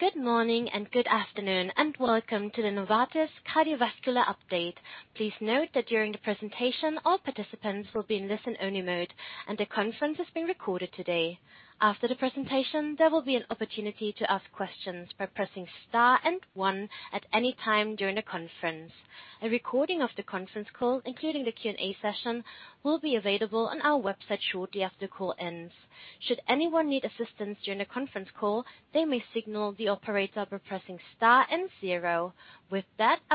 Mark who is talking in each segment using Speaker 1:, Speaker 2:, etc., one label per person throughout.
Speaker 1: Good morning and good afternoon. Welcome to the Novartis Cardiovascular Update. With that, I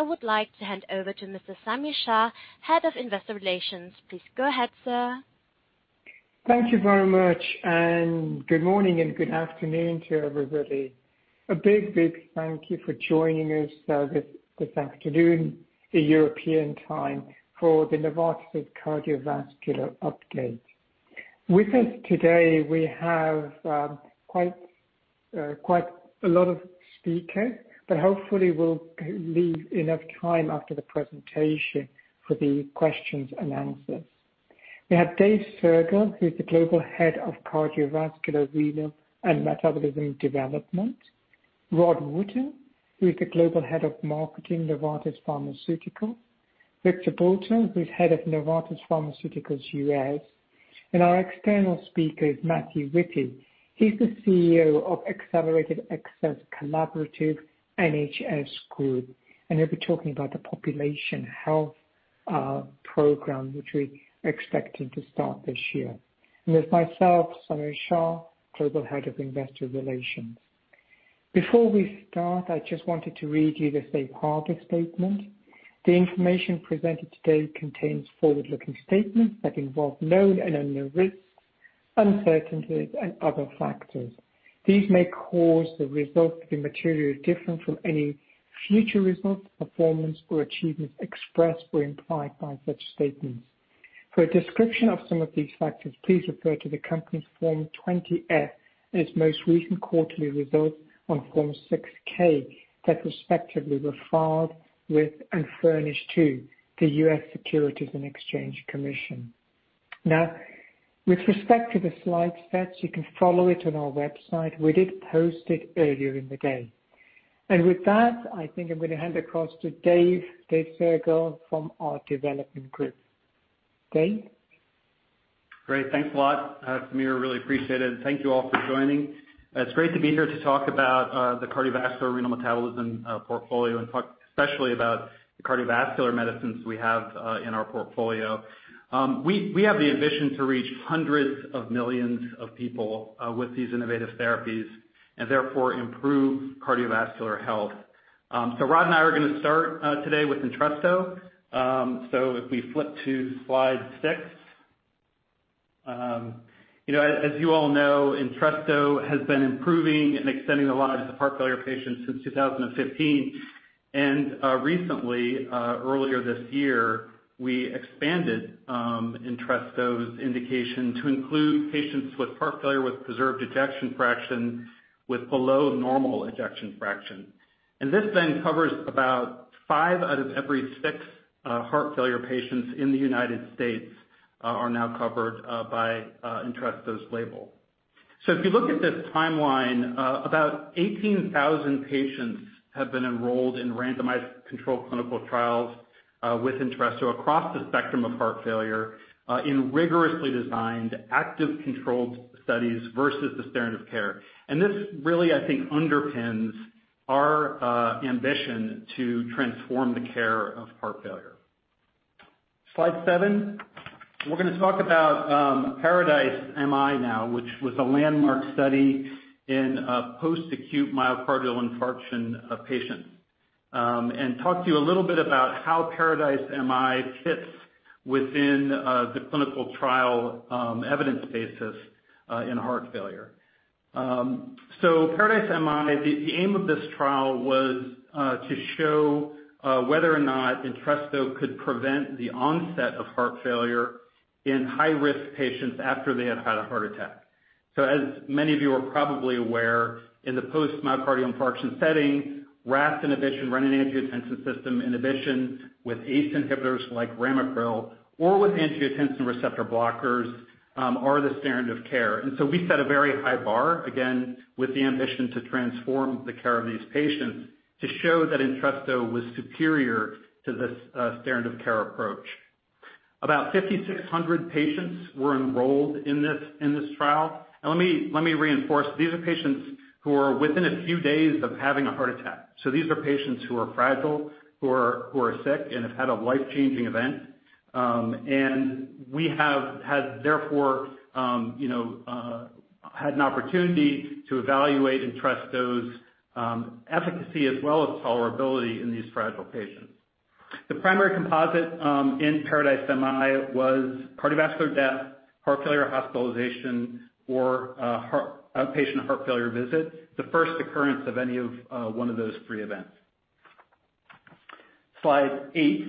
Speaker 1: would like to hand over to Mr. Samir Shah, Head of Investor Relations. Please go ahead, sir.
Speaker 2: Thank you very much. Good morning and good afternoon to everybody. A big thank you for joining us this afternoon, the European time, for the Novartis Cardiovascular Update. With us today, we have quite a lot of speakers, but hopefully, we'll leave enough time after the presentation for the questions and answers. We have David Soergel, who's the Global Head of Cardiovascular, Renal, and Metabolism Development. Rod Wooten, who's the Global Head of Marketing, Novartis Pharmaceuticals. Victor Bultó, who's Head of Novartis Pharmaceuticals, U.S. Our external speaker is Matt Whitty. He's the CEO of the Accelerated Access Collaborative NHS Group, and he'll be talking about the population health program, which we're expecting to start this year. There's myself, Samir Shah, Global Head of Investor Relations. Before we start, I just wanted to read you the safe harbor statement. The information presented today contains forward-looking statements that involve known and unknown risks, uncertainties, and other factors. These may cause the results to be materially different from any future results, performance, or achievements expressed or implied by such statements. For a description of some of these factors, please refer to the company's Form 20-F and its most recent quarterly results on Form 6-K that respectively were filed with and furnished to the U.S. Securities and Exchange Commission. With respect to the slide sets, you can follow it on our website. We did post it earlier in the day. I think I'm going to hand across to David Soergel from our development group. David?
Speaker 3: Great. Thanks a lot, Samir. Really appreciate it, and thank you all for joining. It is great to be here to talk about the cardiovascular renal metabolism portfolio, and especially about the cardiovascular medicines we have in our portfolio. We have the ambition to reach hundreds of millions of people with these innovative therapies and therefore improve cardiovascular health. Rod and I are going to start today with Entresto. If we flip to slide six. As you all know, Entresto has been improving and extending the lives of heart failure patients since 2015, and recently, earlier this year, we expanded Entresto's indication to include patients with heart failure with preserved ejection fraction with below normal ejection fraction. This then covers about five out of every six heart failure patients in the U.S. are now covered by Entresto's label. If you look at this timeline, about 18,000 patients have been enrolled in randomized controlled clinical trials with Entresto across the spectrum of heart failure in rigorously designed active controlled studies versus the standard of care. This really, I think, underpins our ambition to transform the care of heart failure. Slide seven. We're going to talk about PARADISE-MI now, which was a landmark study in post-acute myocardial infarction patients and talk to you a little bit about how PARADISE-MI fits within the clinical trial evidence basis in heart failure. PARADISE-MI, the aim of this trial was to show whether or not Entresto could prevent the onset of heart failure in high-risk patients after they have had a heart attack. As many of you are probably aware, in the post-myocardial infarction setting, RAAS inhibition, renin-angiotensin system inhibition with ACE inhibitors like ramipril or with angiotensin receptor blockers are the standard of care. We set a very high bar, again, with the ambition to transform the care of these patients to show that Entresto was superior to this standard of care approach. About 5,600 patients were enrolled in this trial. Let me reinforce, these are patients who are within a few days of having a heart attack. These are patients who are fragile, who are sick and have had a life-changing event. We have therefore had an opportunity to evaluate Entresto's efficacy as well as tolerability in these fragile patients. The primary composite in PARADISE-MI was cardiovascular death, heart failure hospitalization, or patient heart failure visit, the first occurrence of any of one of those three events. Slide eight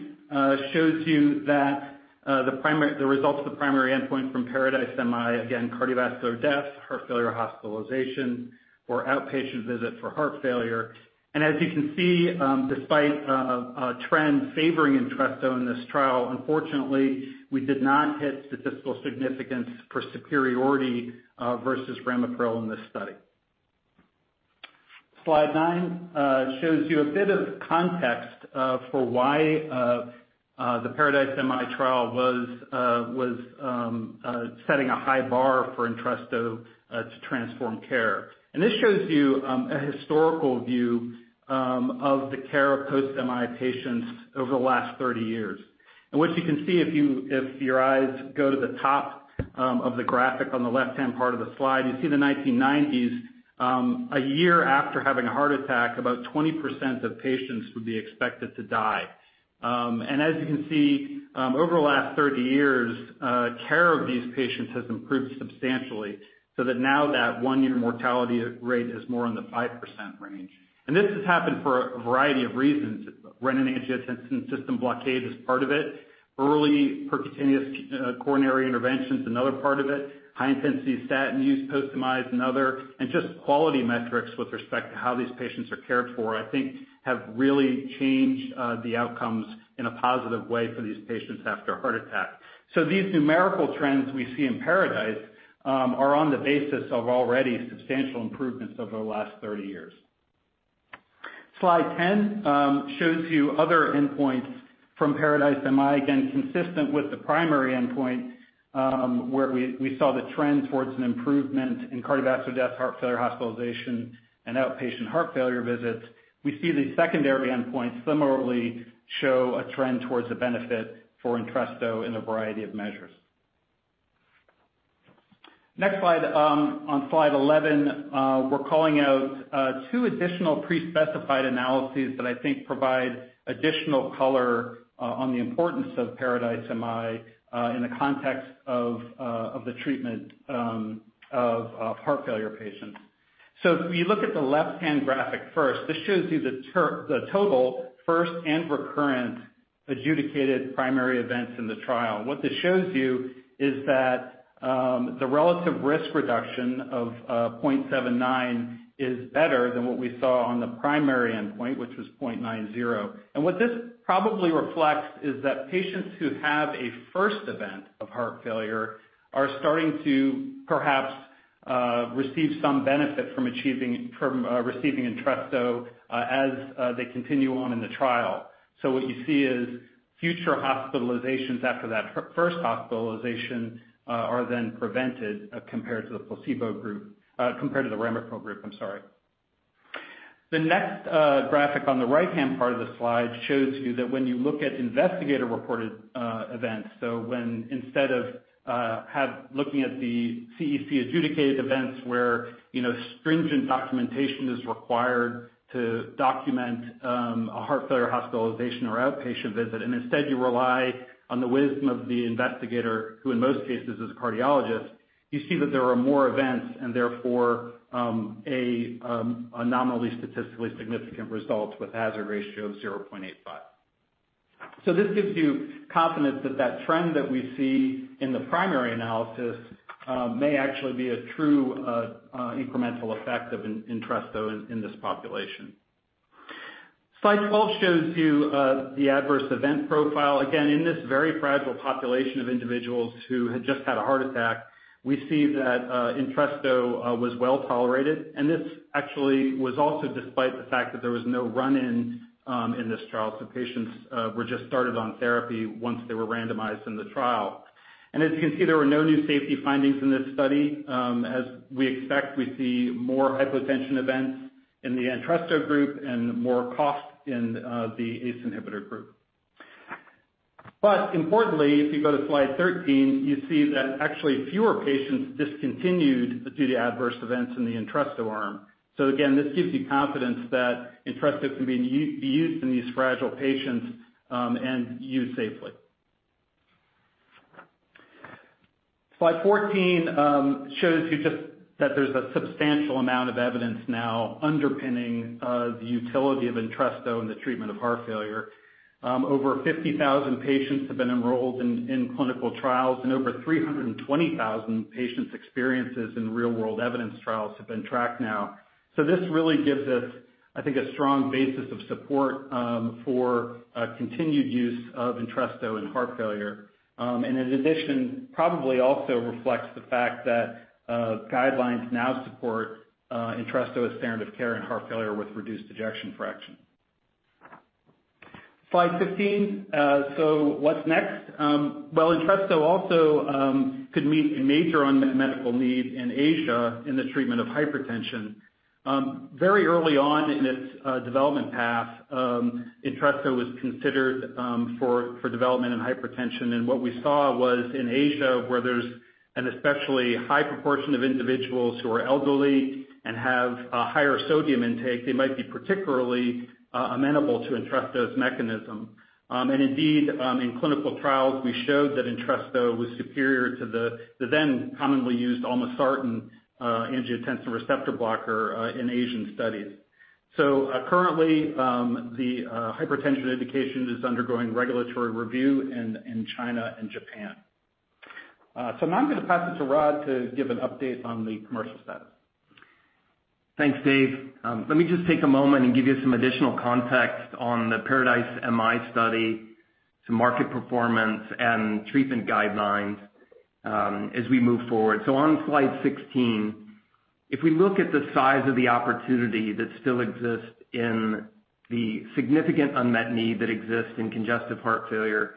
Speaker 3: shows you that the results of the primary endpoint from PARADISE-MI, again, cardiovascular death, heart failure hospitalization, or outpatient visit for heart failure. As you can see, despite a trend favoring Entresto in this trial, unfortunately, we did not hit statistical significance for superiority versus ramipril in this study. Slide nine shows you a bit of context for why the PARADISE-MI trial was setting a high bar for Entresto to transform care. This shows you a historical view of the care of post-MI patients over the last 30 years. What you can see if your eyes go to the top of the graphic on the left-hand part of the slide, you see the 1990s, a year after having a heart attack, about 20% of patients would be expected to die. As you can see, over the last 30 years, care of these patients has improved substantially, so that now that one-year mortality rate is more in the 5% range. This has happened for a variety of reasons. Renin-angiotensin system blockade is part of it. Early percutaneous coronary intervention is another part of it. High-intensity statin use post-MI is another. Just quality metrics with respect to how these patients are cared for, I think, have really changed the outcomes in a positive way for these patients after a heart attack. These numerical trends we see in PARADISE-MI are on the basis of already substantial improvements over the last 30 years. Slide 10 shows you other endpoints from PARADISE-MI, again, consistent with the primary endpoint, where we saw the trend towards an improvement in cardiovascular death, heart failure hospitalization, and outpatient heart failure visits. We see the secondary endpoint similarly show a trend towards a benefit for Entresto in a variety of measures. Next slide. On slide 11, we're calling out two additional pre-specified analyses that I think provide additional color on the importance of PARADISE-MI in the context of the treatment of heart failure patients. If you look at the left-hand graphic first, this shows you the total first and recurrent adjudicated primary events in the trial. What this shows you is that the relative risk reduction of 0.79 is better than what we saw on the primary endpoint, which was 0.90. What this probably reflects is that patients who have a first event of heart failure are starting to perhaps receive some benefit from receiving Entresto as they continue on in the trial. What you see is future hospitalizations after that first hospitalization are then prevented compared to the ramipril group, I'm sorry. The next graphic on the right-hand part of the slide shows you that when you look at investigator-reported events, when instead of looking at the CEC adjudicated events where stringent documentation is required to document a heart failure hospitalization or outpatient visit, and instead you rely on the wisdom of the investigator, who in most cases is a cardiologist, you see that there are more events and therefore a nominally statistically significant result with hazard ratio of 0.85. This gives you confidence that trend that we see in the primary analysis may actually be a true incremental effect of Entresto in this population. Slide 12 shows you the adverse event profile. Again, in this very fragile population of individuals who had just had a heart attack, we see that Entresto was well-tolerated. This actually was also despite the fact that there was no run-in in this trial. Patients were just started on therapy once they were randomized in the trial. As you can see, there were no new safety findings in this study. As we expect, we see more hypotension events in the Entresto group and more cough in the ACE inhibitor group. Importantly, if you go to slide 13, you see that actually fewer patients discontinued due to adverse events in the Entresto arm. Again, this gives you confidence that Entresto can be used in these fragile patients and used safely. Slide 14 shows you just that there's a substantial amount of evidence now underpinning the utility of Entresto in the treatment of heart failure. Over 50,000 patients have been enrolled in clinical trials, and over 320,000 patients' experiences in real-world evidence trials have been tracked now. This really gives us, I think, a strong basis of support for continued use of Entresto in heart failure. In addition, probably also reflects the fact that guidelines now support Entresto as standard of care in heart failure with reduced ejection fraction. Slide 15. What's next? Well, Entresto also could meet a major unmet medical need in Asia in the treatment of hypertension. Very early on in its development path, Entresto was considered for development in hypertension. What we saw was in Asia, where there's an especially high proportion of individuals who are elderly and have a higher sodium intake, they might be particularly amenable to Entresto's mechanism. Indeed, in clinical trials, we showed that Entresto was superior to the then commonly used olmesartan angiotensin receptor blocker in Asian studies. Currently, the hypertension indication is undergoing regulatory review in China and Japan. Now I'm going to pass it to Rod to give an update on the commercial side.
Speaker 4: Thanks, David. Let me just take a moment and give you some additional context on the PARADISE-MI study to market performance and treatment guidelines as we move forward. On slide 16, if we look at the size of the opportunity that still exists in the significant unmet need that exists in congestive heart failure,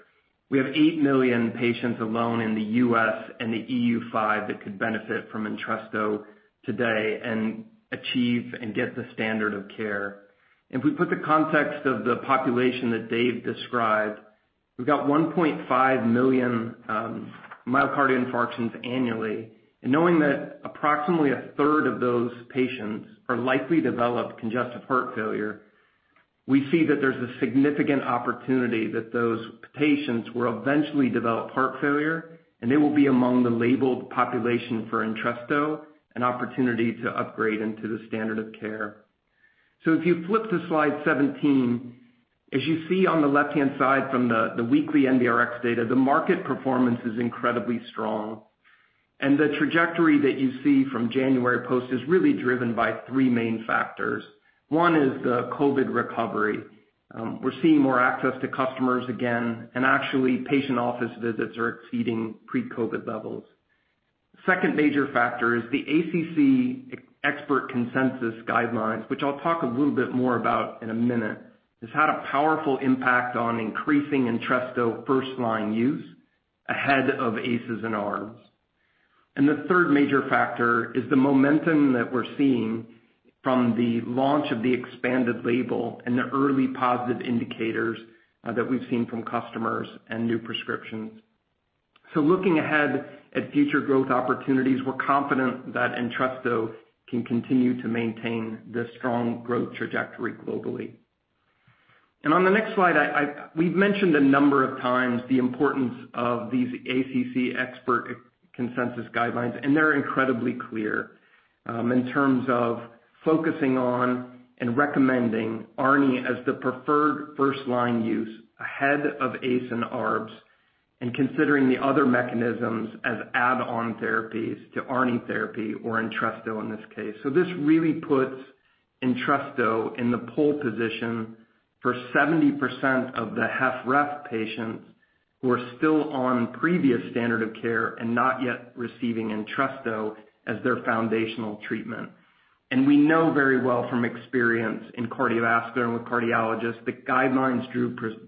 Speaker 4: we have 8 million patients alone in the U.S. and the EU5 that could benefit from Entresto today and achieve and get the standard of care. If we put the context of the population that David described, we've got 1.5 million myocardial infarctions annually. Knowing that approximately a third of those patients are likely to develop congestive heart failure, we see that there's a significant opportunity that those patients will eventually develop heart failure, and they will be among the labeled population for Entresto, an opportunity to upgrade into the standard of care. If you flip to slide 17, as you see on the left-hand side from the weekly NBRx data, the market performance is incredibly strong. The trajectory that you see from January post is really driven by three main factors. One is the COVID recovery. We're seeing more access to customers again, and actually patient office visits are exceeding pre-COVID levels. The second major factor is the ACC expert consensus guidelines, which I'll talk a little bit more about in a minute. It's had a powerful impact on increasing Entresto first-line use ahead of ACEIs and ARBs. The third major factor is the momentum that we're seeing from the launch of the expanded label and the early positive indicators that we've seen from customers and new prescriptions. Looking ahead at future growth opportunities, we're confident that Entresto can continue to maintain this strong growth trajectory globally. On the next slide, we've mentioned a number of times the importance of these ACC expert consensus guidelines, and they're incredibly clear in terms of focusing on and recommending ARNi as the preferred first-line use ahead of ACE and ARBs, and considering the other mechanisms as add-on therapies to ARNi therapy or Entresto in this case. This really puts Entresto in the pole position for 70% of the HFrEF patients who are still on previous standard of care and not yet receiving Entresto as their foundational treatment. We know very well from experience in cardiovascular with cardiologists that guidelines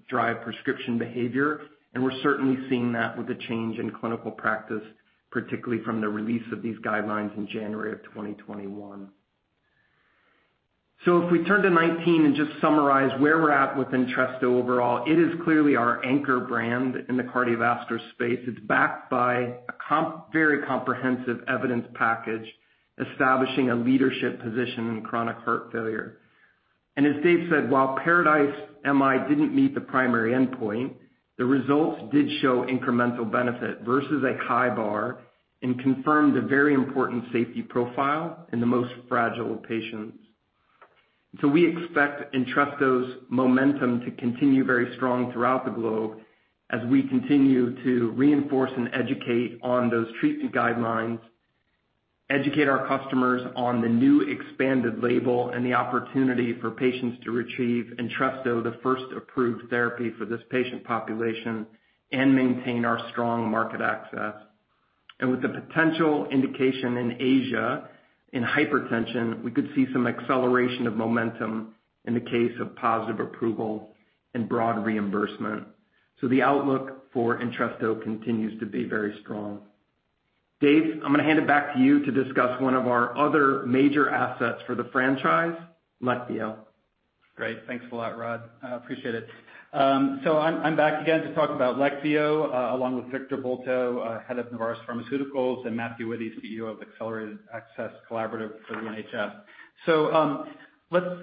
Speaker 4: drive prescription behavior, and we're certainly seeing that with the change in clinical practice, particularly from the release of these guidelines in January of 2021. If we turn to 19 and just summarize where we're at with Entresto overall, it is clearly our anchor brand in the cardiovascular space. It's backed by a very comprehensive evidence package establishing a leadership position in chronic heart failure. As David said, while PARADISE-MI didn't meet the primary endpoint, the results did show incremental benefit versus a ACE inhibitor or ARB and confirmed a very important safety profile in the most fragile of patients. We expect Entresto's momentum to continue very strong throughout the globe as we continue to reinforce and educate on those treatment guidelines, educate our customers on the new expanded label and the opportunity for patients to receive Entresto, the first approved therapy for this patient population, and maintain our strong market access. With the potential indication in Asia in hypertension, we could see some acceleration of momentum in the case of positive approval and broad reimbursement. The outlook for Entresto continues to be very strong. David, I'm going to hand it back to you to discuss one of our other major assets for the franchise, LEQVIO.
Speaker 3: Great. Thanks a lot, Rod. I appreciate it. I'm back again to talk about LEQVIO along with Victor Bultó, head of Novartis Pharmaceuticals, and Matt Whitty, CEO of Accelerated Access Collaborative for the NHS.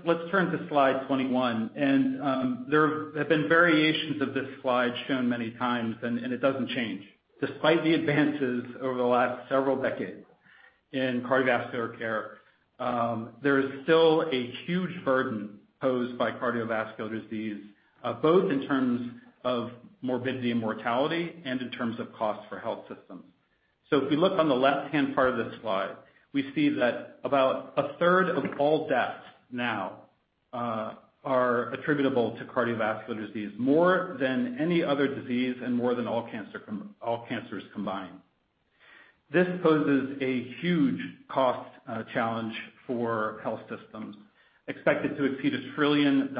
Speaker 3: Let's turn to slide 21, and there have been variations of this slide shown many times, and it doesn't change. Despite the advances over the last several decades in cardiovascular care, there is still a huge burden posed by cardiovascular disease, both in terms of morbidity and mortality and in terms of cost for health systems. If you look on the left-hand part of the slide, we see that about a third of all deaths now are attributable to cardiovascular disease, more than any other disease and more than all cancers combined. This poses a huge cost challenge for health systems, expected to exceed $1 trillion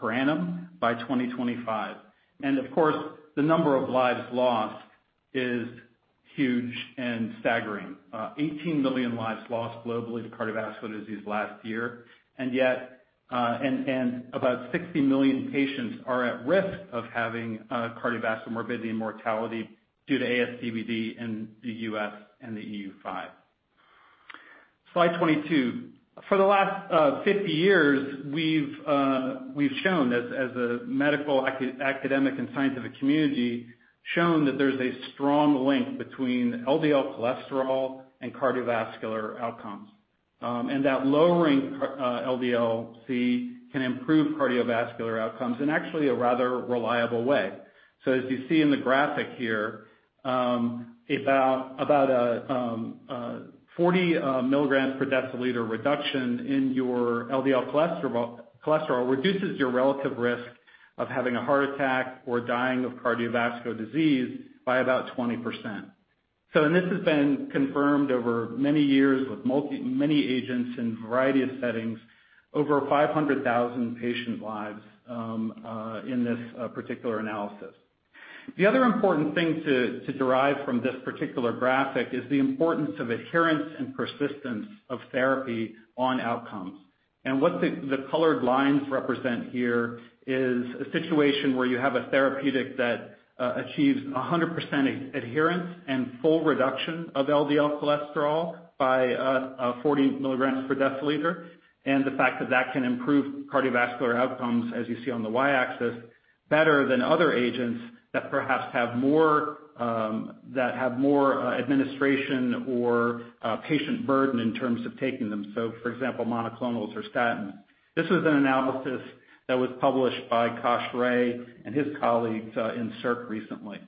Speaker 3: per annum by 2025. Of course, the number of lives lost is huge and staggering. 18 million lives lost globally to cardiovascular disease last year, and about 60 million patients are at risk of having cardiovascular morbidity and mortality due to ASCVD in the U.S. and the EU5. Slide 22. For the last 50 years, we've shown that as a medical, academic, and scientific community, there's a strong link between LDL cholesterol and cardiovascular outcomes, and that lowering LDL-C can improve cardiovascular outcomes in actually a rather reliable way. As you see in the graphic here, about a 40 milligrams per deciliter reduction in your LDL cholesterol reduces your relative risk of having a heart attack or dying of cardiovascular disease by about 20%. This has been confirmed over many years with many agents in a variety of settings, over 500,000 patient lives in this particular analysis. The other important thing to derive from this particular graphic is the importance of adherence and persistence of therapy on outcomes. What the colored lines represent here is a situation where you have a therapeutic that achieves 100% adherence and full reduction of LDL cholesterol by 40 milligrams per deciliter, and the fact that that can improve cardiovascular outcomes, as you see on the Y-axis, better than other agents that perhaps have more administration or patient burden in terms of taking them. For example, monoclonals or statins. This is an analysis that was published by Kausik Ray and his colleagues in Circ recently.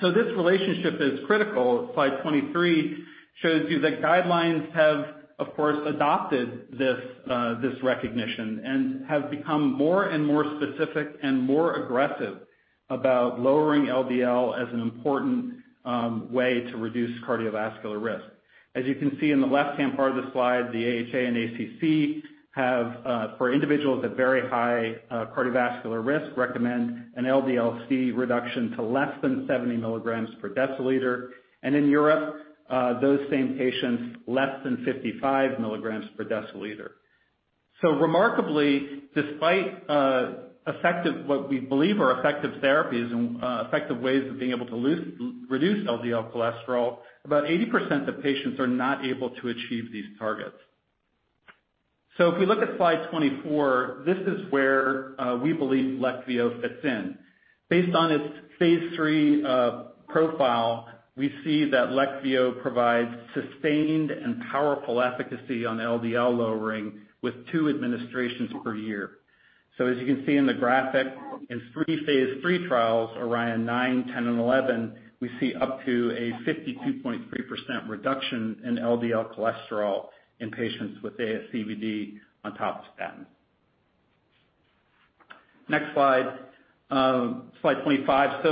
Speaker 3: This relationship is critical. Slide 23 shows you that guidelines have, of course, adopted this recognition and have become more and more specific and more aggressive about lowering LDL as an important way to reduce cardiovascular risk. As you can see in the left-hand part of the slide, the AHA and ACC have, for individuals at very high cardiovascular risk, recommend an LDL-C reduction to less than 70 milligrams per deciliter, and in Europe, those same patients, less than 55 milligrams per deciliter. Remarkably, despite what we believe are effective therapies and effective ways of being able to reduce LDL cholesterol, about 80% of patients are not able to achieve these targets. If we look at slide 24, this is where we believe LEQVIO fits in. Based on its phase III profile, we see that LEQVIO provides sustained and powerful efficacy on LDL lowering with two administrations per year. As you can see in the graphic, in three phase III trials, ORION 9, 10, and 11, we see up to a 52.3% reduction in LDL cholesterol in patients with ASCVD on top of statin. Next slide 25.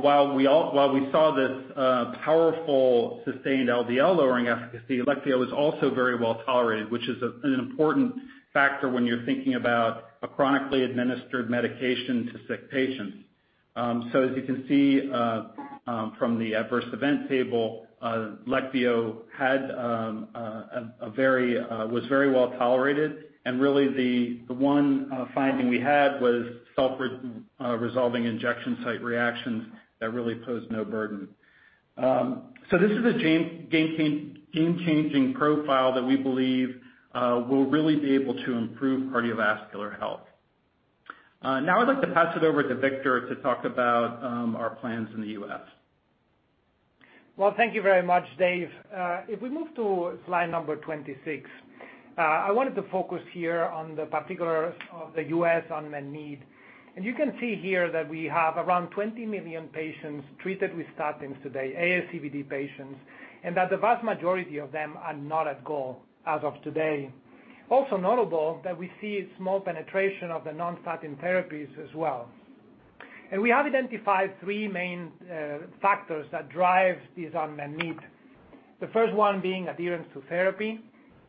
Speaker 3: While we saw this powerful sustained LDL lowering efficacy, LEQVIO was also very well tolerated, which is an important factor when you're thinking about a chronically administered medication to sick patients. As you can see from the adverse event table, LEQVIO was very well tolerated, and really the one finding we had was self-resolving injection site reactions that really posed no burden. This is a game-changing profile that we believe will really be able to improve cardiovascular health. Now I'd like to pass it over to Victor to talk about our plans in the U.S.
Speaker 5: Well, thank you very much, David. If we move to slide number 26, I wanted to focus here on the particulars of the U.S. unmet need. You can see here that we have around 20 million patients treated with statins today, ASCVD patients, and that the vast majority of them are not at goal as of today. Also notable that we see a small penetration of the non-statin therapies as well. We have identified three main factors that drive this unmet need. The first one being adherence to therapy,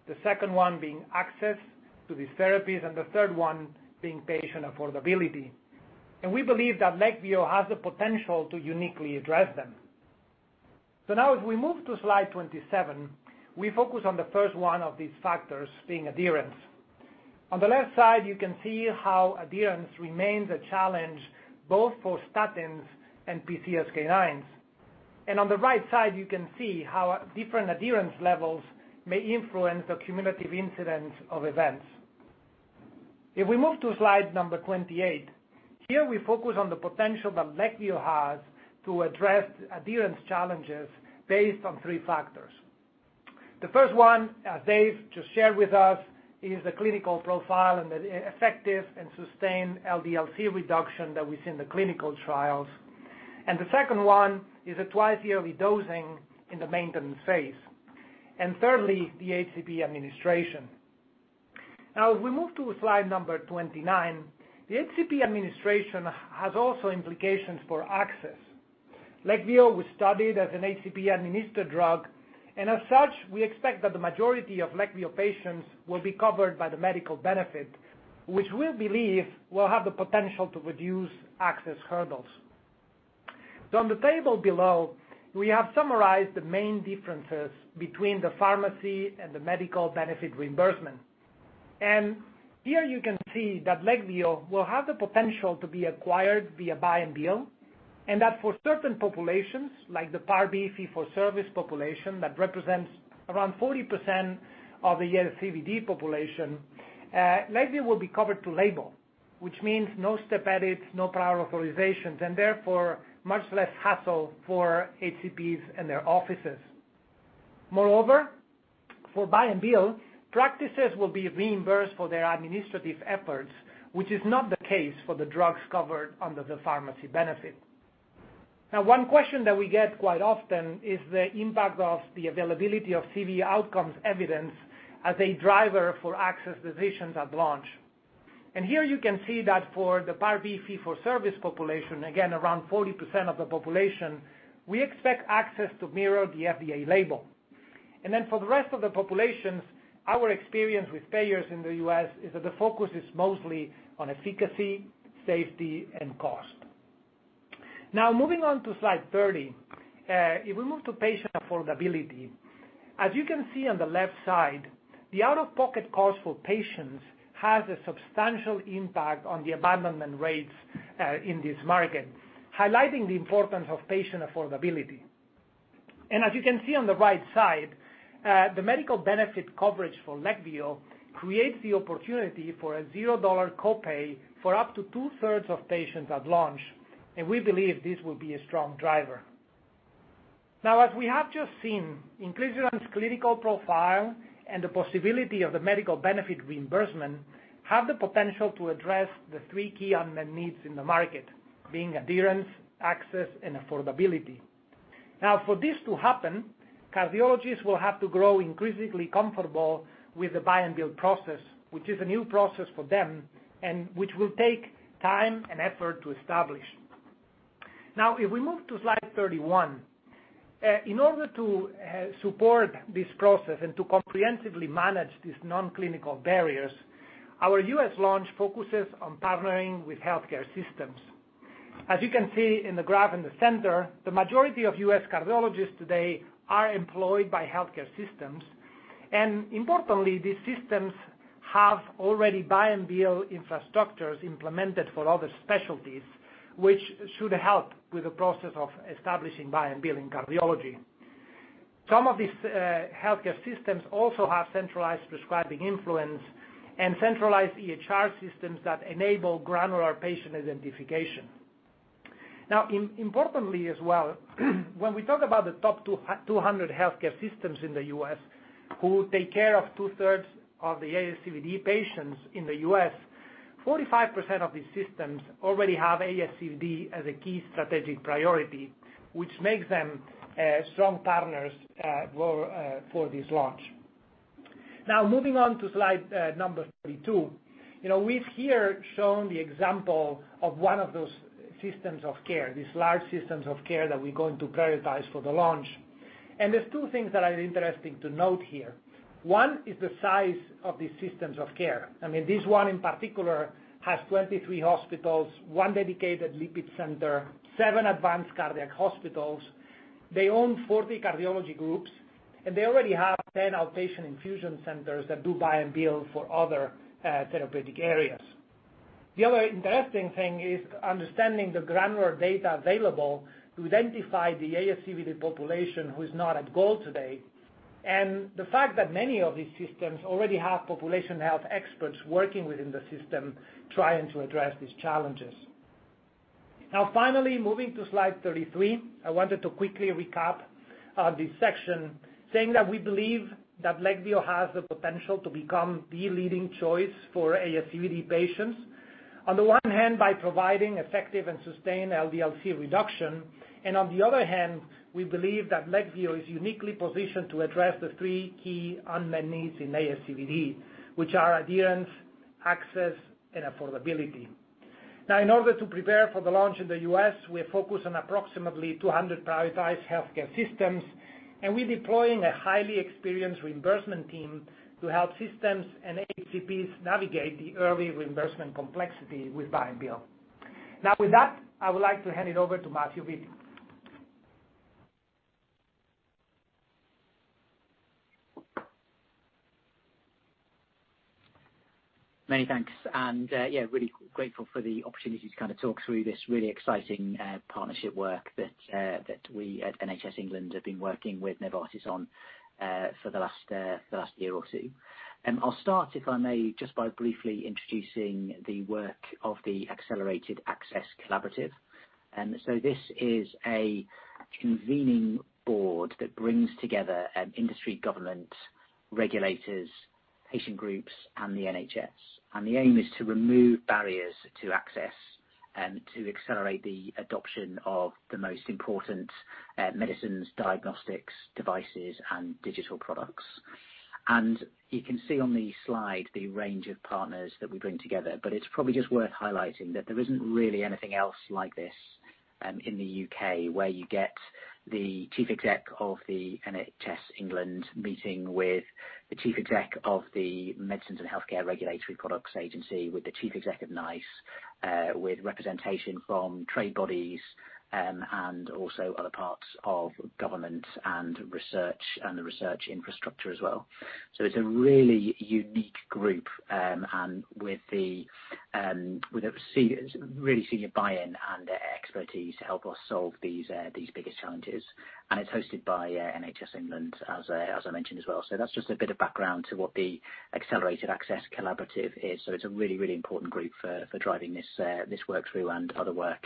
Speaker 5: the second one being access to these therapies, and the third one being patient affordability. We believe that LEQVIO has the potential to uniquely address them. Now as we move to slide 27, we focus on the first one of these factors being adherence. On the left side, you can see how adherence remains a challenge both for statins and PCSK9s. On the right side, you can see how different adherence levels may influence the cumulative incidence of events. If we move to slide 28, here we focus on the potential that LEQVIO has to address adherence challenges based on three factors. The first one David just shared with us is the clinical profile and the effective and sustained LDL-C reduction that we see in the clinical trials. The second one is the twice-yearly dosing in the maintenance phase. Thirdly, the HCP administration. As we move to slide 29, the HCP administration has also implications for access. LEQVIO was studied as an HCP-administered drug, and as such, we expect that the majority of LEQVIO patients will be covered by the medical benefit, which we believe will have the potential to reduce access hurdles. On the table below, we have summarized the main differences between the pharmacy and the medical benefit reimbursement. Here you can see that LEQVIO will have the potential to be acquired via buy and bill, and that for certain populations, like the Part B fee-for-service population that represents around 40% of the ASCVD population, LEQVIO will be covered to label, which means no step edits, no prior authorizations, and therefore much less hassle for HCPs and their offices. Moreover, for buy-and-bill, practices will be reimbursed for their administrative efforts, which is not the case for the drugs covered under the pharmacy benefit. One question that we get quite often is the impact of the availability of CVD outcomes evidence as a driver for access decisions at launch. Here you can see that for the Part B fee-for-service population, again, around 40% of the population, we expect access to mirror the FDA label. For the rest of the populations, our experience with payers in the U.S. is that the focus is mostly on efficacy, safety, and cost. Moving on to slide 30. If we move to patient affordability, as you can see on the left side, the out-of-pocket cost for patients has a substantial impact on the abandonment rates in this market, highlighting the importance of patient affordability. As you can see on the right side, the medical benefit coverage for LEQVIO creates the opportunity for a $0 copay for up to two-thirds of patients at launch, and we believe this will be a strong driver. Now as we have just seen, inclisiran's clinical profile and the possibility of the medical benefit reimbursement have the potential to address the three key unmet needs in the market, being adherence, access, and affordability. Now, for this to happen, cardiologists will have to grow increasingly comfortable with the buy-and-bill process, which is a new process for them and which will take time and effort to establish. Now, if we move to slide 31. In order to support this process and to comprehensively manage these non-clinical barriers, our U.S. launch focuses on partnering with healthcare systems. As you can see in the graph in the center, the majority of U.S. cardiologists today are employed by healthcare systems. Importantly, these systems have already buy-and-bill infrastructures implemented for other specialties, which should help with the process of establishing buy-and-bill in cardiology. Some of these healthcare systems also have centralized prescribing influence and centralized EHR systems that enable granular patient identification. Importantly as well, when we talk about the top 200 healthcare systems in the U.S. who take care of two-thirds of the ASCVD patients in the U.S., 45% of these systems already have ASCVD as a key strategic priority, which makes them strong partners for this launch. Moving on to slide number 32. We've here shown the example of one of those systems of care, these large systems of care that we're going to prioritize for the launch. There's two things that are interesting to note here. One is the size of these systems of care. I mean, this one in particular has 23 hospitals, one dedicated lipid center, seven advanced cardiac hospitals. They own 40 cardiology groups, and they already have 10 outpatient infusion centers that do buy and bill for other therapeutic areas. The other interesting thing is understanding the granular data available to identify the ASCVD population who is not at goal today, and the fact that many of these systems already have population health experts working within the system trying to address these challenges. Finally, moving to slide 33. I wanted to quickly recap this section saying that we believe that LEQVIO has the potential to become the leading choice for ASCVD patients. On the one hand, by providing effective and sustained LDL-C reduction, on the other hand, we believe that LEQVIO is uniquely positioned to address the three key unmet needs in ASCVD, which are adherence, access, and affordability. In order to prepare for the launch in the U.S., we are focused on approximately 200 prioritized healthcare systems, and we're deploying a highly experienced reimbursement team to help systems and HCPs navigate the early reimbursement complexity with buy-and-bill. With that, I would like to hand it over to Matt Whitty.
Speaker 6: Many thanks. Yeah, really grateful for the opportunity to talk through this really exciting partnership work that we at NHS England have been working with Novartis on for the last year or two. I'll start, if I may, just by briefly introducing the work of the Accelerated Access Collaborative. This is a convening board that brings together industry, government, regulators, patient groups, and the NHS. The aim is to remove barriers to access to accelerate the adoption of the most important medicines, diagnostics, devices, and digital products. You can see on the slide the range of partners that we bring together, but it's probably just worth highlighting that there isn't really anything else like this in the U.K. where you get the Chief Exec of NHS England meeting with the Chief Exec of the Medicines and Healthcare products Regulatory Agency, with the Chief Executive of NICE, with representation from trade bodies and also other parts of government and research and the research infrastructure as well. It's a really unique group, with a really senior buy-in and expertise to help us solve these bigger challenges. It's hosted by NHS England, as I mentioned as well. That's just a bit of background to what the Accelerated Access Collaborative is. It's a really important group for driving this work through and other work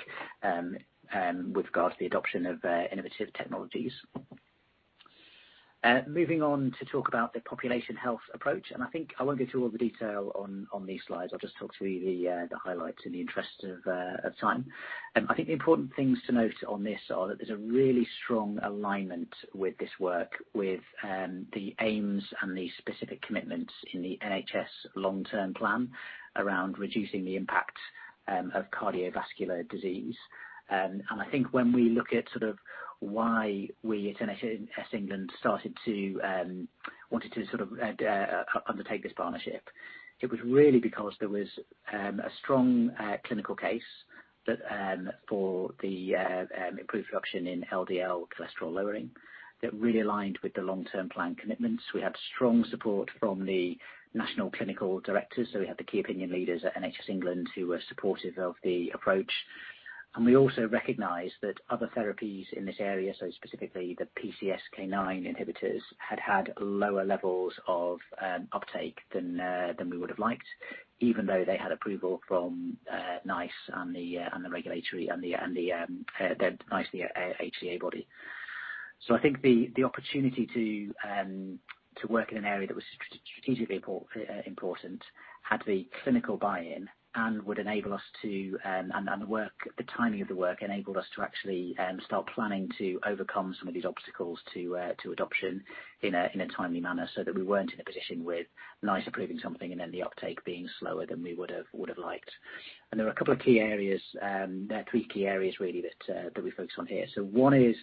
Speaker 6: with regards to the adoption of innovative technologies. Moving on to talk about the population health approach, and I think I won't go through all the detail on these slides. I'll just talk to the highlights in the interest of time. I think the important things to note on this are that there's a really strong alignment with this work with the aims and the specific commitments in the NHS Long Term Plan around reducing the impact of cardiovascular disease. I think when we look at why we at NHS England wanted to undertake this partnership, it was really because there was a strong clinical case for the improved reduction in LDL cholesterol lowering that really aligned with the Long Term Plan commitments. We have strong support from the national clinical directors. We have the key opinion leaders at NHS England who are supportive of the approach. We also recognize that other therapies in this area, specifically the PCSK9 inhibitors, had lower levels of uptake than we would have liked, even though they had approval from NICE and the regulatory and the NICE HTA body. I think the opportunity to work in an area that was strategically important, had the clinical buy-in and the timing of the work enabled us to actually start planning to overcome some of these obstacles to adoption in a timely manner so that we weren't in a position with NICE approving something and then the uptake being slower than we would have liked. There were three key areas really that we focused on here. One is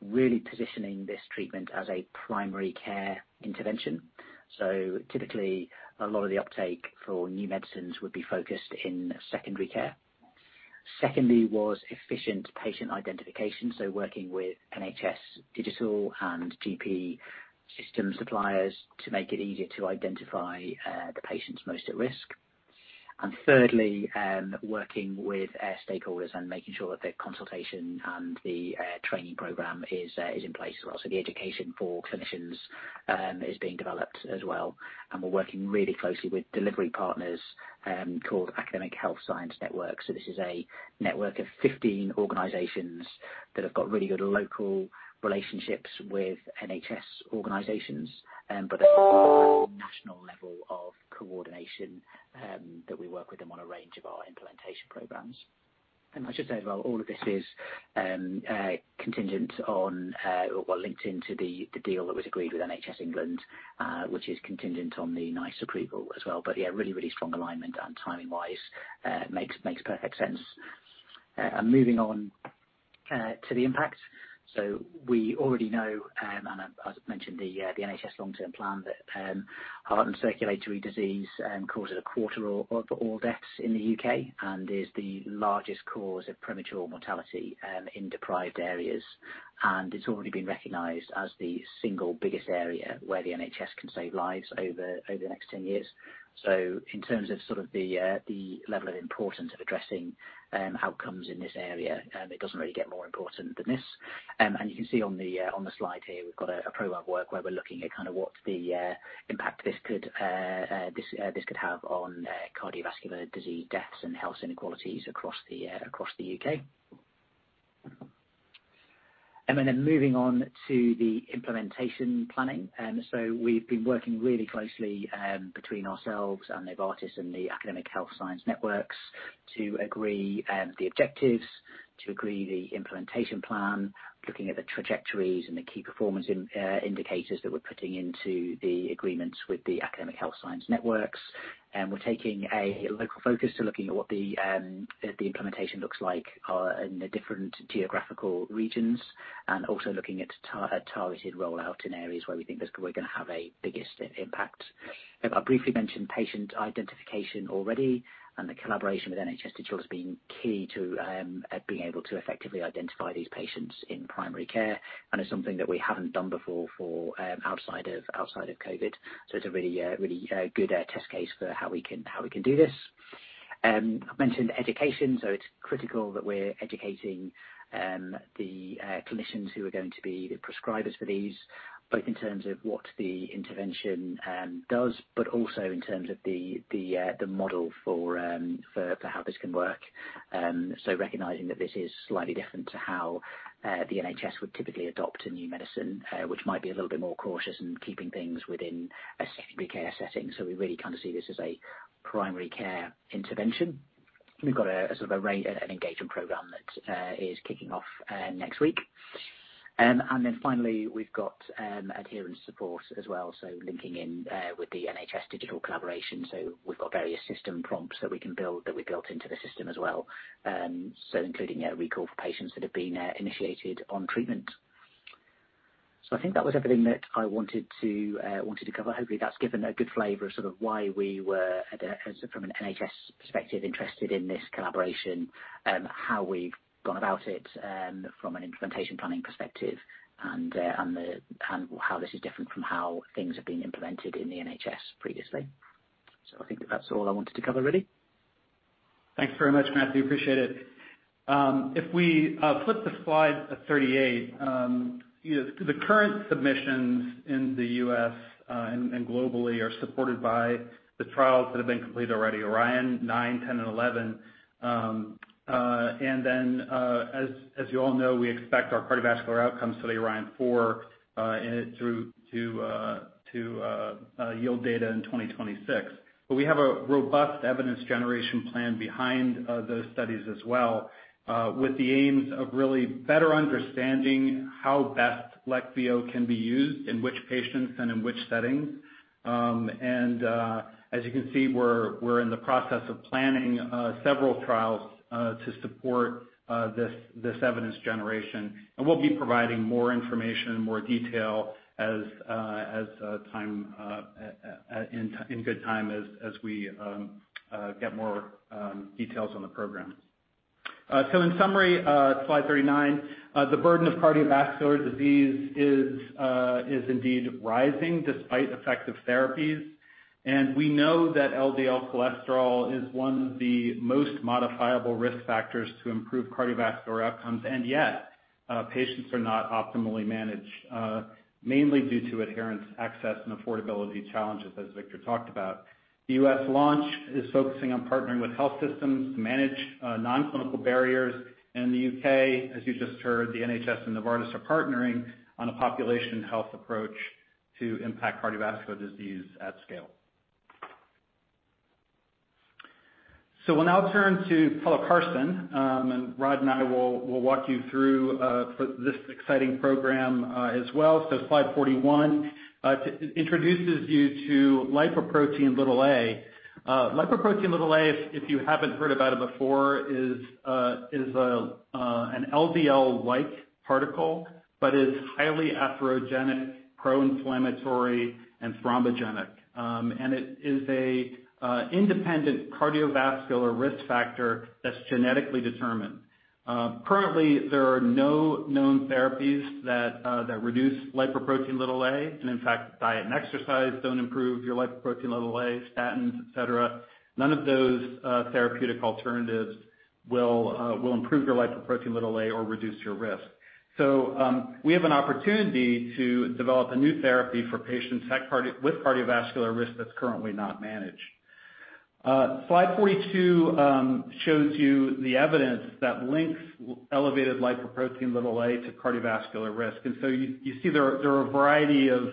Speaker 6: really positioning this treatment as a primary care intervention. Typically, a lot of the uptake for new medicines would be focused in secondary care. Secondly, was efficient patient identification, so working with NHS Digital and GP system suppliers to make it easier to identify the patients most at risk. Thirdly, working with stakeholders and making sure that the consultation and the training program is in place. The education for clinicians is being developed as well, and we're working really closely with delivery partners called Academic Health Science Network. This is a network of 15 organizations that have got really good local relationships with NHS organizations, but at a national level of coordination that we work with on a range of our implementation programs. I should say as well, all of this is contingent on or linked into the deal that was agreed with NHS England, which is contingent on the NICE approval as well. Yeah, really strong alignment and timing-wise makes perfect sense. Moving on to the impact. We already know, and I've mentioned the NHS Long Term Plan, that heart and circulatory disease causes a quarter of all deaths in the U.K. and is the largest cause of premature mortality in deprived areas. It's already been recognized as the single biggest area where the NHS can save lives over the next 10 years. In terms of the level of importance of addressing outcomes in this area, it doesn't really get more important than this. You can see on the slide here, we've got a program of work where we're looking at what the impact this could have on cardiovascular disease deaths and health inequalities across the U.K. Then moving on to the implementation planning. We've been working really closely between ourselves and Novartis and the Academic Health Science Networks to agree the objectives, to agree the implementation plan, looking at the trajectories and the key performance indicators that we're putting into the agreements with the Academic Health Science Networks. We're taking a local focus to looking at what the implementation looks like in the different geographical regions and also looking at targeted roll out in areas where we think this is where we're going to have a biggest impact. I briefly mentioned patient identification already, and the collaboration with NHS Digital has been key to being able to effectively identify these patients in primary care, and it's something that we haven't done before for outside of COVID. It's a really good test case for how we can do this. I mentioned education, so it's critical that we're educating the clinicians who are going to be the prescribers for these, both in terms of what the intervention does, but also in terms of the model for how this can work. Recognizing that this is slightly different to how the NHS would typically adopt a new medicine, which might be a little bit more cautious in keeping things within a secondary care setting. We really see this as a primary care intervention. We've got a range of engagement program that is kicking off next week. Finally, we've got adherence support as well, linking in with the NHS Digital collaboration. We've got various system prompts that we built into the system as well, including recall for patients that have been initiated on treatment. I think that was everything that I wanted to cover. Hopefully, that's given a good flavor of why we were, from an NHS perspective, interested in this collaboration, how we've gone about it from an implementation planning perspective and how this is different from how things have been implemented in the NHS previously. I think that's all I wanted to cover, really.
Speaker 3: Thanks very much, Matthew. Appreciate it. If we flip to slide 38, the current submissions in the U.S. and globally are supported by the trials that have been completed already, ORION-9, ORION-10, and ORION-11. As you all know, we expect our cardiovascular outcome study, ORION-4, to yield data in 2026. We have a robust evidence generation plan behind those studies as well with the aims of really better understanding how best LEQVIO can be used, in which patients and in which settings. As you can see, we're in the process of planning several trials to support this evidence generation. We'll be providing more information and more detail in good time as we get more details on the program. In summary, slide 39. The burden of cardiovascular disease is indeed rising despite effective therapies. We know that LDL cholesterol is one of the most modifiable risk factors to improve cardiovascular outcomes, yet patients are not optimally managed mainly due to adherence, access, and affordability challenges, as Victor talked about. The U.S. launch is focusing on partnering with health systems to manage non-clinical barriers, and in the U.K., as you just heard, the NHS and Novartis are partnering on a population health approach to impact cardiovascular disease at scale. We'll now turn to pelacarsen, and Rod and I will walk you through this exciting program as well. Slide 41 introduces you to lipoprotein(a). Lipoprotein(a), if you haven't heard about it before, is an LDL-like particle but is highly atherogenic, pro-inflammatory, and thrombogenic. It is an independent cardiovascular risk factor that's genetically determined. Currently, there are no known therapies that reduce lipoprotein(a). In fact, diet and exercise don't improve your lipoprotein(a), statins, et cetera. None of those therapeutic alternatives will improve your lipoprotein(a) or reduce your risk. We have an opportunity to develop a new therapy for patients with cardiovascular risk that's currently not managed. Slide 42 shows you the evidence that links elevated lipoprotein(a) to cardiovascular risk. You see there are a variety of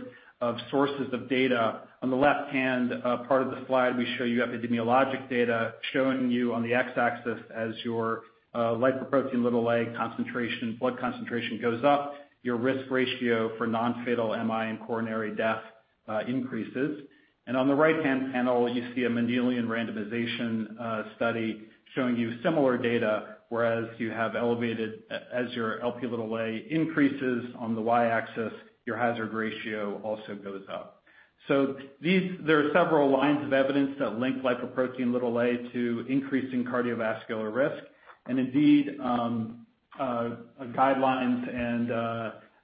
Speaker 3: sources of data. On the left-hand part of the slide, we show you epidemiologic data showing you on the x-axis as your lipoprotein(a) blood concentration goes up, your risk ratio for non-fatal MI and coronary death increases. On the right-hand panel, you see a Mendelian randomization study showing you similar data, whereas you have elevated as your Lp increases on the y-axis, your hazard ratio also goes up. There are several lines of evidence that link lipoprotein(a) to increasing cardiovascular risk, and indeed, guidelines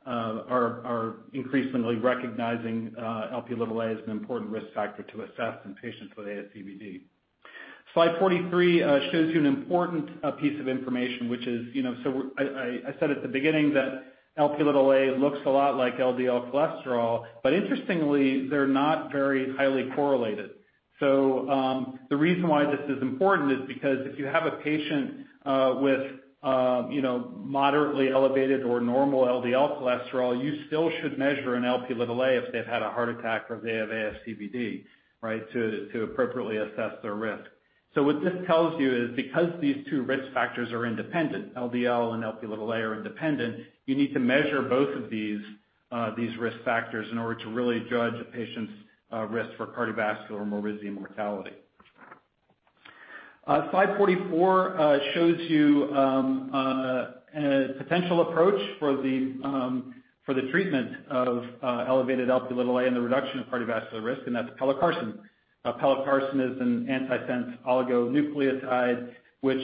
Speaker 3: are increasingly recognizing Lp(a) as an important risk factor to assess in patients with ASCVD. Slide 43 shows you an important piece of information, which is, I said at the beginning that Lp(a) looks a lot like LDL cholesterol, but interestingly, they're not very highly correlated. The reason why this is important is because if you have a patient with moderately elevated or normal LDL cholesterol, you still should measure an Lp(a) if they've had a heart attack or if they have ASCVD, right? To appropriately assess their risk. What this tells you is because these two risk factors are independent, LDL and Lp(a) are independent, you need to measure both of these risk factors in order to really judge a patient's risk for cardiovascular morbidity and mortality. Slide 44 shows you a potential approach for the treatment of elevated Lp(a) and the reduction of cardiovascular risk. That's pelacarsen. Pelacarsen is an antisense oligonucleotide which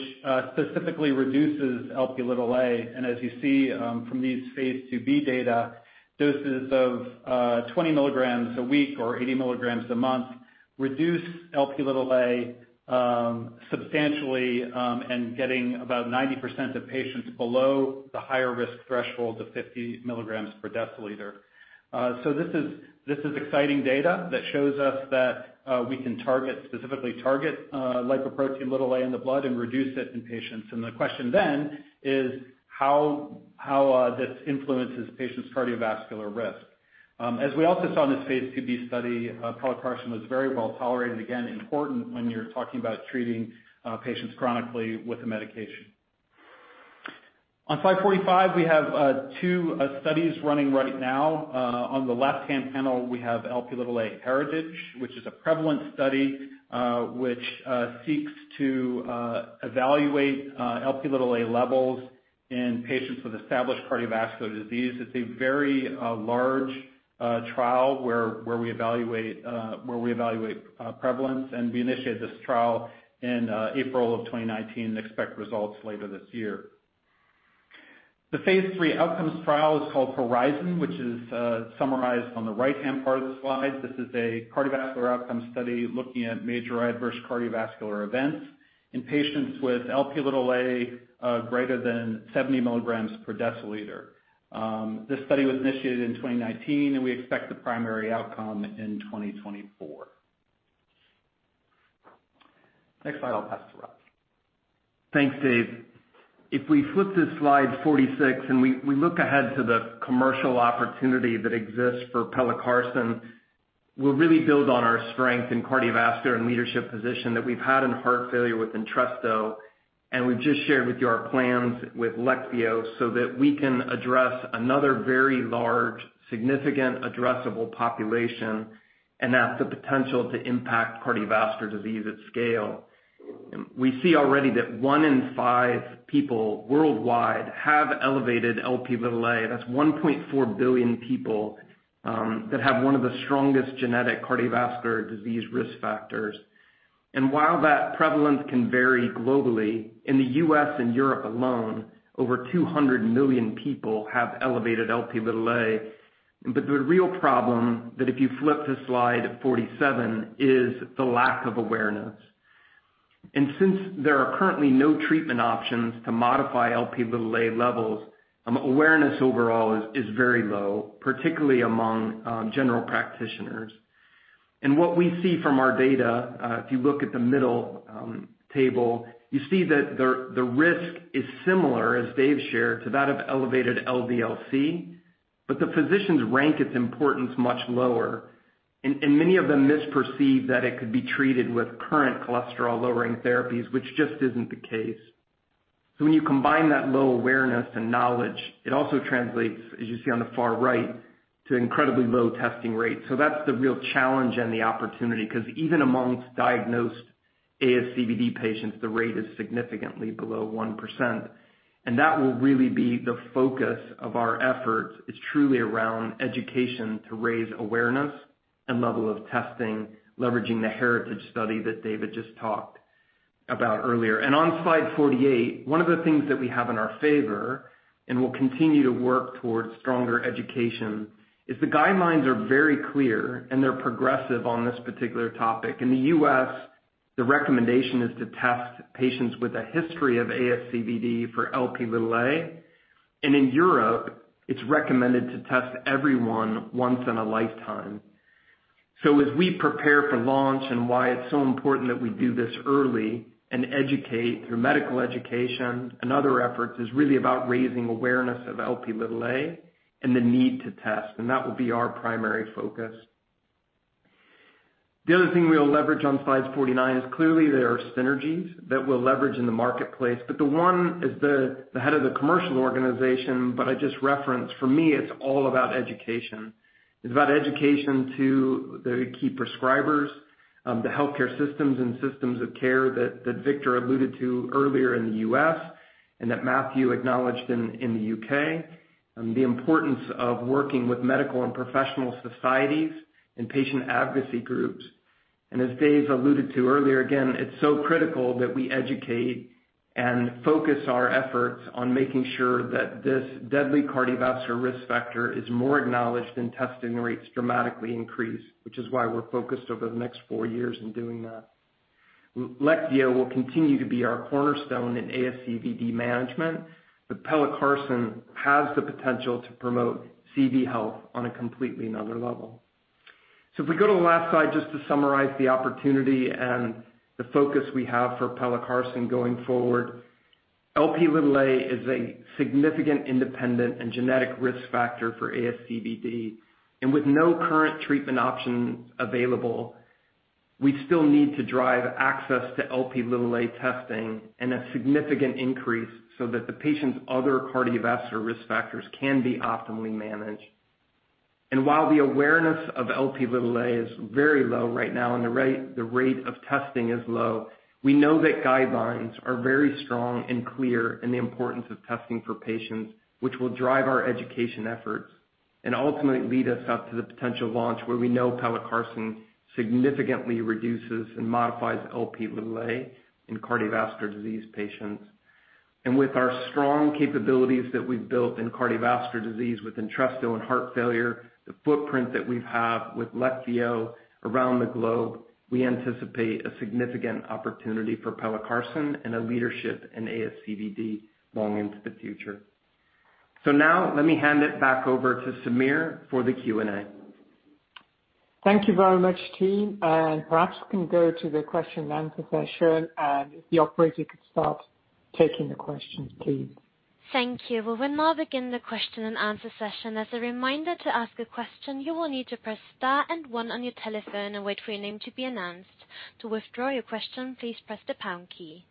Speaker 3: specifically reduces Lp(a). As you see from these phase IIb data, doses of 20 milligrams a week or 80 milligrams a month reduce Lp(a) substantially, getting about 90% of patients below the higher risk threshold of 50 milligrams per deciliter. This is exciting data that shows us that we can specifically target lipoprotein(a) in the blood and reduce it in patients. The question then is how this influences patients' cardiovascular risk. As we also saw in this phase IIb study, pelacarsen was very well tolerated, again, important when you're talking about treating patients chronically with a medication. On slide 45, we have two studies running right now. On the left-hand panel, we have Lp Heritage, which is a prevalent study which seeks to evaluate Lp levels in patients with established cardiovascular disease. It's a very large trial where we evaluate prevalence. We initiated this trial in April of 2019 and expect results later this year. The phase III outcomes trial is called HORIZON, which is summarized on the right-hand part of the slide. This is a cardiovascular outcome study looking at major adverse cardiovascular events in patients with Lp greater than 70 milligrams per deciliter. This study was initiated in 2019, and we expect the primary outcome in 2024. Next slide, I'll pass to Rod.
Speaker 4: Thanks, David. We flip to slide 46, and we look ahead to the commercial opportunity that exists for pelacarsen, we'll really build on our strength in cardiovascular and leadership position that we've had in heart failure with Entresto, and we've just shared with you our plans with LEQVIO so that we can address another very large, significant addressable population and have the potential to impact cardiovascular disease at scale. We see already that one in five people worldwide have elevated Lp(a). That's 1.4 billion people that have one of the strongest genetic cardiovascular disease risk factors. While that prevalence can vary globally, in the U.S. and Europe alone, over 200 million people have elevated Lp(a). The real problem if you flip to slide 47 is the lack of awareness. Since there are currently no treatment options to modify Lp(a) levels, awareness overall is very low, particularly among general practitioners. What we see from our data, if you look at the middle table, you see that the risk is similar, as David shared, to that of elevated LDL-C, but the physicians rank its importance much lower, and many of them misperceive that it could be treated with current cholesterol-lowering therapies, which just isn't the case. When you combine that low awareness and knowledge, it also translates, as you see on the far right, to incredibly low testing rates. That's the real challenge and the opportunity, because even amongst diagnosed ASCVD patients, the rate is significantly below 1%. That will really be the focus of our efforts is truly around education to raise awareness and level of testing, leveraging the HERITAGE study that David just talked about earlier. On slide 48, one of the things that we have in our favor, and we'll continue to work towards stronger education, is the guidelines are very clear and they're progressive on this particular topic. In the U.S., the recommendation is to test patients with a history of ASCVD for Lp(a), and in Europe, it's recommended to test everyone once in a lifetime. As we prepare for launch and why it's so important that we do this early and educate through medical education and other efforts is really about raising awareness of Lp(a) and the need to test, and that will be our primary focus. The other thing we'll leverage on slide 49 is clearly there are synergies that we'll leverage in the marketplace, but the one as the head of the commercial organization that I just referenced, for me, it's all about education. It's about education to the key prescribers, the healthcare systems and systems of care that Victor Bultó alluded to earlier in the U.S. and that Matt Whitty acknowledged in the U.K., and the importance of working with medical and professional societies and patient advocacy groups. As David Soergel alluded to earlier, again, it's so critical that we educate and focus our efforts on making sure that this deadly cardiovascular risk factor is more acknowledged and testing rates dramatically increase, which is why we're focused over the next four years in doing that. LEQVIO will continue to be our cornerstone in ASCVD management, but pelacarsen has the potential to promote CV health on a completely another level. If we go to the last slide, just to summarize the opportunity and the focus we have for pelacarsen going forward. Lp is a significant independent and genetic risk factor for ASCVD, and with no current treatment option available, we still need to drive access to Lp testing and a significant increase so that the patient's other cardiovascular risk factors can be optimally managed. While the awareness of Lp is very low right now and the rate of testing is low, we know that guidelines are very strong and clear in the importance of testing for patients, which will drive our education efforts and ultimately lead us up to the potential launch where we know pelacarsen significantly reduces and modifies Lp in cardiovascular disease patients. With our strong capabilities that we've built in cardiovascular disease with Entresto and heart failure, the footprint that we have with LEQVIO around the globe, we anticipate a significant opportunity for pelacarsen and a leadership in ASCVD long into the future. Now let me hand it back over to Samir for the Q&A.
Speaker 2: Thank you very much, team, and perhaps we can go to the question and answer session. If the operator could start taking the questions, please.
Speaker 1: Thank you. We'll now begin the question and answer session. As a reminder to ask a question, you will need to press star and one on your telephone and wait for your name to be announced. To withdraw your question, please press the pound key.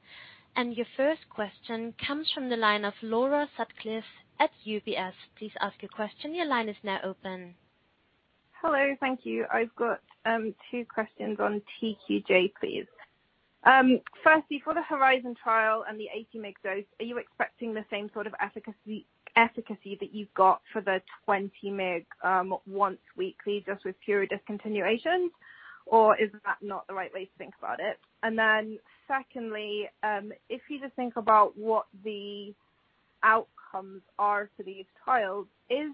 Speaker 1: Your first question comes from the line of Laura Sutcliffe at UBS. Please ask your question. Your line is now open.
Speaker 7: Hello. Thank you. I've got two questions on TQJ230, please. Firstly, for the HORIZON trial and the 80 mg dose, are you expecting the same sort of efficacy that you've got for the 20 mg once weekly just with pure discontinuations, or is that not the right way to think about it? Secondly, if you just think about what the Outcomes are for these trials is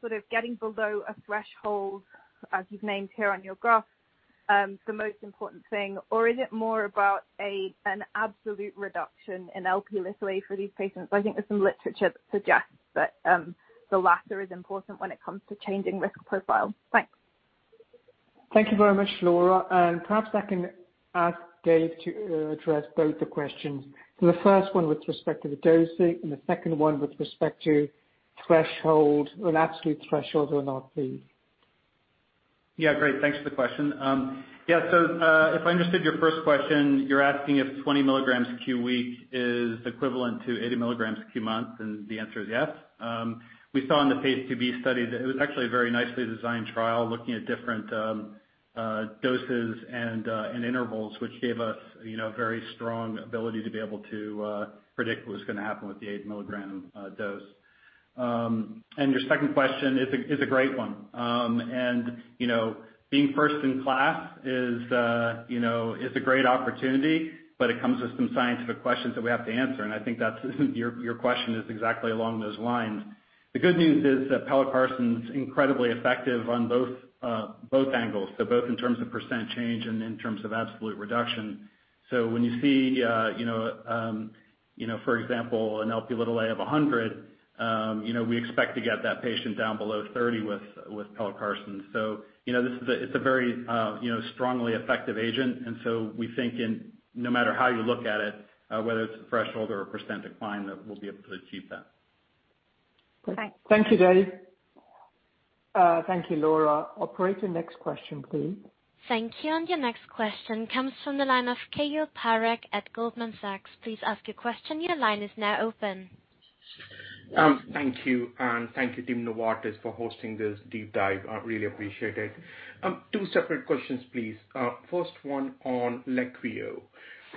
Speaker 7: sort of getting below a threshold, as you've named here on your graph, the most important thing, or is it more about an absolute reduction in Lp(a) for these patients? I think there's some literature that suggests that the latter is important when it comes to changing risk profile. Thanks.
Speaker 2: Thank you very much, Laura. Perhaps I can ask David to address both the questions. The first one with respect to the dosing and the second one with respect to absolute threshold or not, please.
Speaker 3: Yeah, great. Thanks for the question. If I understood your first question, you are asking if 20 milligrams per week is equivalent to 80 milligrams per month. The answer is yes. We saw in the phase IIb study that it was actually a very nicely designed trial looking at different doses and intervals, which gave us very strong ability to be able to predict what is going to happen with the 80-milligram dose. Your second question is a great one. Being first in class is a great opportunity, but it comes with some scientific questions that we have to answer. I think that your question is exactly along those lines. The good news is that pelacarsen's incredibly effective on both angles, both in terms of percent change and in terms of absolute reduction. When you see, for example, an Lp(a) of 100, we expect to get that patient down below 30 with pelacarsen. This it's a very strongly effective agent, and so we think no matter how you look at it, whether it's a threshold or a % decline, that we'll be able to achieve that.
Speaker 7: Okay.
Speaker 2: Thank you, David. Thank you, Laura. Operator, next question, please.
Speaker 1: Thank you. Your next question comes from the line of Keyur Parekh at Goldman Sachs. Please ask your question. Your line is now open.
Speaker 8: Thank you, thank you Team Novartis for hosting this deep dive. I really appreciate it. Two separate questions, please. First one on LEQVIO.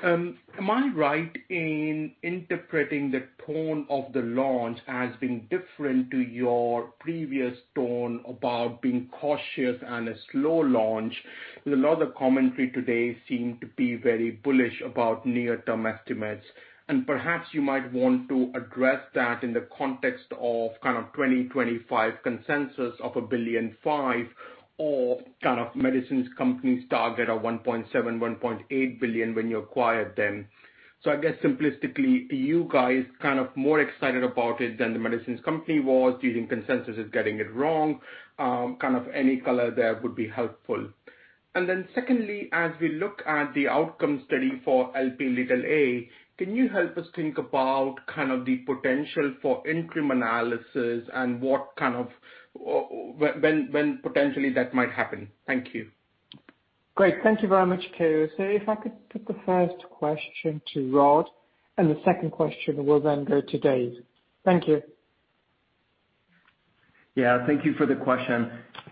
Speaker 8: Am I right in interpreting the tone of the launch as being different to your previous tone about being cautious and a slow launch? A lot of commentary today seemed to be very bullish about near-term estimates. Perhaps you might want to address that in the context of 2025 consensus of $1.5 billion or kind of The Medicines Company's target of $1.7 billion-$1.8 billion when you acquired them. I guess simplistically, are you guys more excited about it than The Medicines Company was, do you think consensus is getting it wrong? Any color there would be helpful. Secondly, as we look at the outcome study for Lp(a), can you help us think about the potential for interim analysis and when potentially that might happen? Thank you.
Speaker 2: Great. Thank you very much, Keyur. If I could put the first question to Rod and the second question will then go to David. Thank you.
Speaker 4: Yeah. Thank you for the question.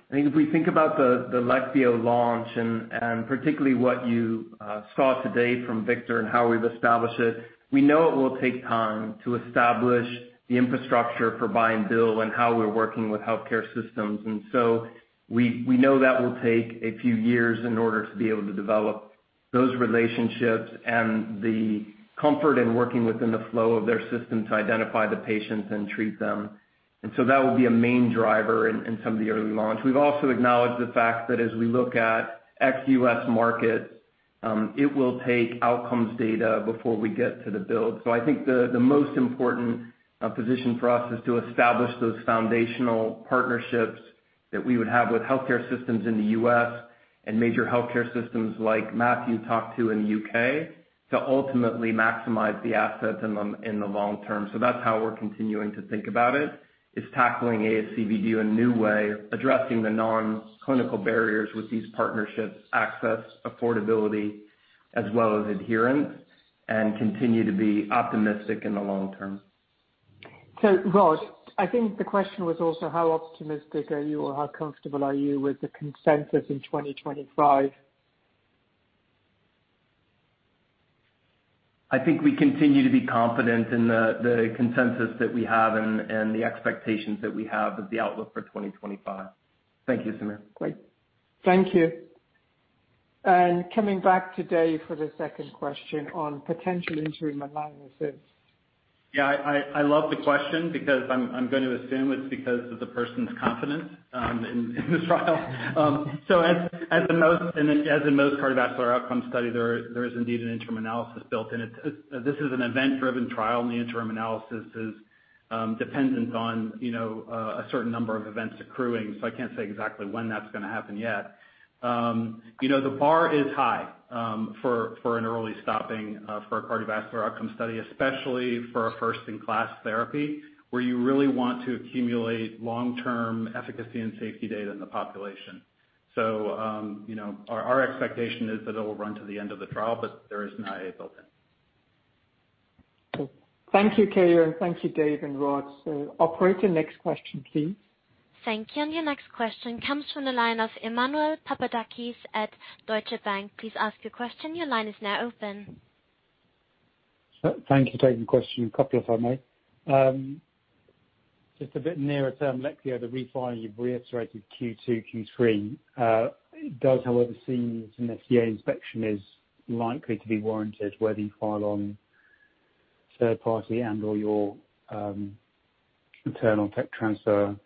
Speaker 4: I think if we think about the LEQVIO launch and particularly what you saw today from Victor and how we've established it, we know it will take time to establish the infrastructure for buy and bill and how we're working with healthcare systems. We know that will take a few years in order to be able to develop those relationships and the comfort in working within the flow of their systems to identify the patients and treat them. That will be a main driver in some of the early launch. We've also acknowledged the fact that as we look at ex-U.S. market, it will take outcomes data before we get to the build.
Speaker 3: I think the most important position for us is to establish those foundational partnerships that we would have with healthcare systems in the U.S. and major healthcare systems like Matt Whitty talked to in the U.K. to ultimately maximize the asset in the long term. That's how we're continuing to think about it, is tackling ASCVD in a new way, addressing the non-clinical barriers with these partnerships, access, affordability, as well as adherence, and continue to be optimistic in the long term.
Speaker 2: Rod, I think the question was also how optimistic are you or how comfortable are you with the consensus in 2025?
Speaker 4: I think we continue to be confident in the consensus that we have and the expectations that we have of the outlook for 2025. Thank you, Samir.
Speaker 2: Great. Thank you. Coming back to David for the second question on potential interim analysis.
Speaker 3: Yeah. I love the question because I'm going to assume it's because of the person's confidence in the trial. As in most cardiovascular outcome studies, there is indeed an interim analysis built in. This is an event-driven trial, and the interim analysis is dependent on a certain number of events accruing, so I can't say exactly when that's going to happen yet. The bar is high for an early stopping for a cardiovascular outcome study, especially for a first-in-class therapy, where you really want to accumulate long-term efficacy and safety data in the population. Our expectation is that it'll run to the end of the trial, but there is an IA built in.
Speaker 2: Cool. Thank you, Keyur, and thank you, David and Rod. Operator, next question, please.
Speaker 1: Thank you. Your next question comes from the line of Emmanuel Papadakis at Deutsche Bank. Please ask your question. Your line is now open.
Speaker 9: Thank you for taking the question. A couple if I may. Just a bit nearer term, let me go to the refile you've reiterated Q2, Q3. It does, however, seem as an FDA inspection is likely to be warranted, whether you file on third party and/or your internal tech transfer third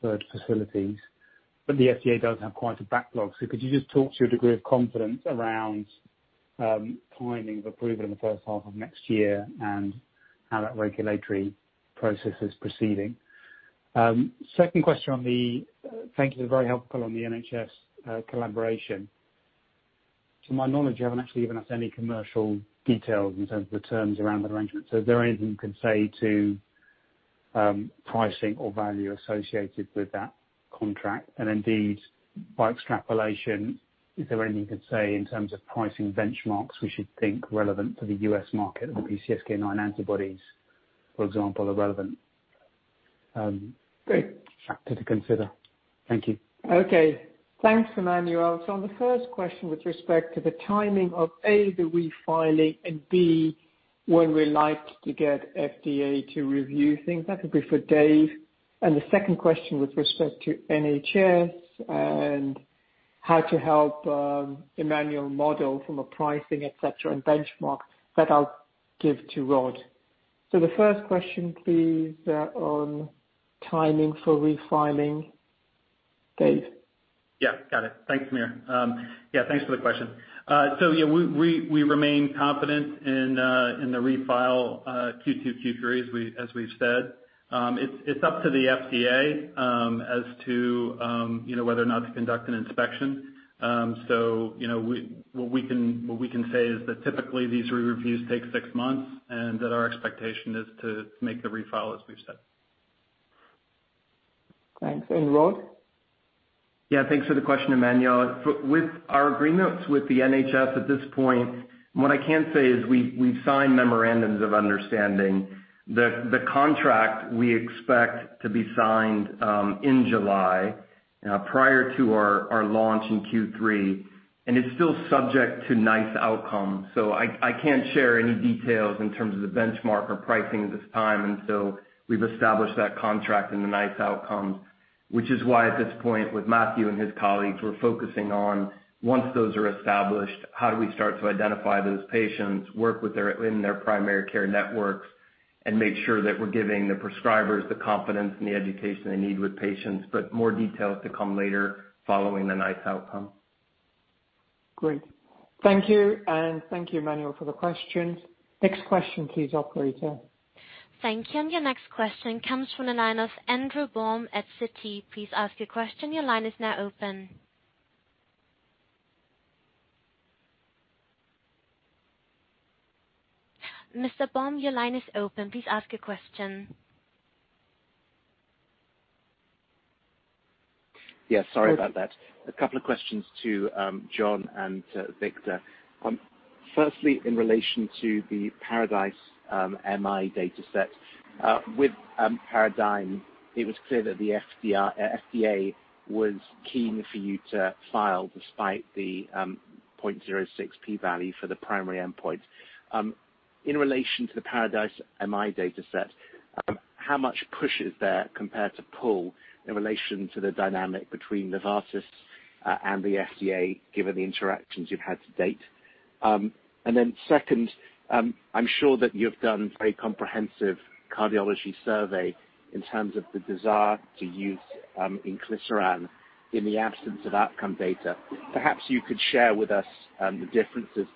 Speaker 9: facilities. The FDA does have quite a backlog. Could you just talk to your degree of confidence around timing of approval in the first half of next year and how that regulatory process is proceeding? Second question on the. Thank you, very helpful on the NHS collaboration. To my knowledge, you haven't actually given us any commercial details in terms of the terms around arrangement. Is there anything you can say to pricing or value associated with that contract? Indeed, by extrapolation, is there anything you can say in terms of pricing benchmarks we should think relevant to the U.S. market and PCSK9 antibodies, for example, are relevant factor to consider? Thank you.
Speaker 2: Okay. Thanks, Emmanuel. On the first question with respect to the timing of, A, the refiling and, B, when we're likely to get FDA to review things, that could be for David. The second question with respect to NHS and how to help Emmanuel model from a pricing et cetera, and benchmarks that I'll give to Rod. The first question, please, on timing for refiling. David?
Speaker 3: Yeah, got it. Thanks, Samir. Yeah, thanks for the question. Yeah, we remain confident in the refile Q2, Q3 as we've said. It's up to the FDA, as to whether or not to conduct an inspection. What we can say is that typically these reviews take six months, and that our expectation is to make the refile as we said.
Speaker 2: Thanks. Rod?
Speaker 4: Yeah, thanks for the question, Emmanuel. With our agreements with the NHS at this point, what I can say is we signed memorandums of understanding. The contract we expect to be signed in July, prior to our launch in Q3, it's still subject to NICE outcome. I can't share any details in terms of the benchmark or pricing at this time until we've established that contract and the NICE outcome, which is why at this point with Matthew and his colleagues, we're focusing on once those are established, how do we start to identify those patients, work in their primary care networks, and make sure that we're giving the prescribers the confidence and the education they need with patients, more details to come later following the NICE outcome.
Speaker 2: Great. Thank you. Thank you, Emmanuel, for the questions. Next question, please, operator.
Speaker 1: Thank you. The next question comes from the line of Andrew Baum, Citi. Please ask your question. Your line is now open. Mr. Baum, please ask a question.
Speaker 10: Yeah, sorry about that. A couple of questions to John and to Victor. In relation to the PARADISE-MI dataset. With PARADISE-MI, it was clear that the FDA was keen for you to file despite the 0.06 p-value for the primary endpoint. In relation to the PARADISE-MI dataset, how much push is there compared to pull in relation to the dynamic between Novartis and the FDA, given the interactions you've had to date? Second, I'm sure that you've done a very comprehensive cardiology survey in terms of the desire to use inclisiran in the absence of outcome data. Perhaps you could share with us the differences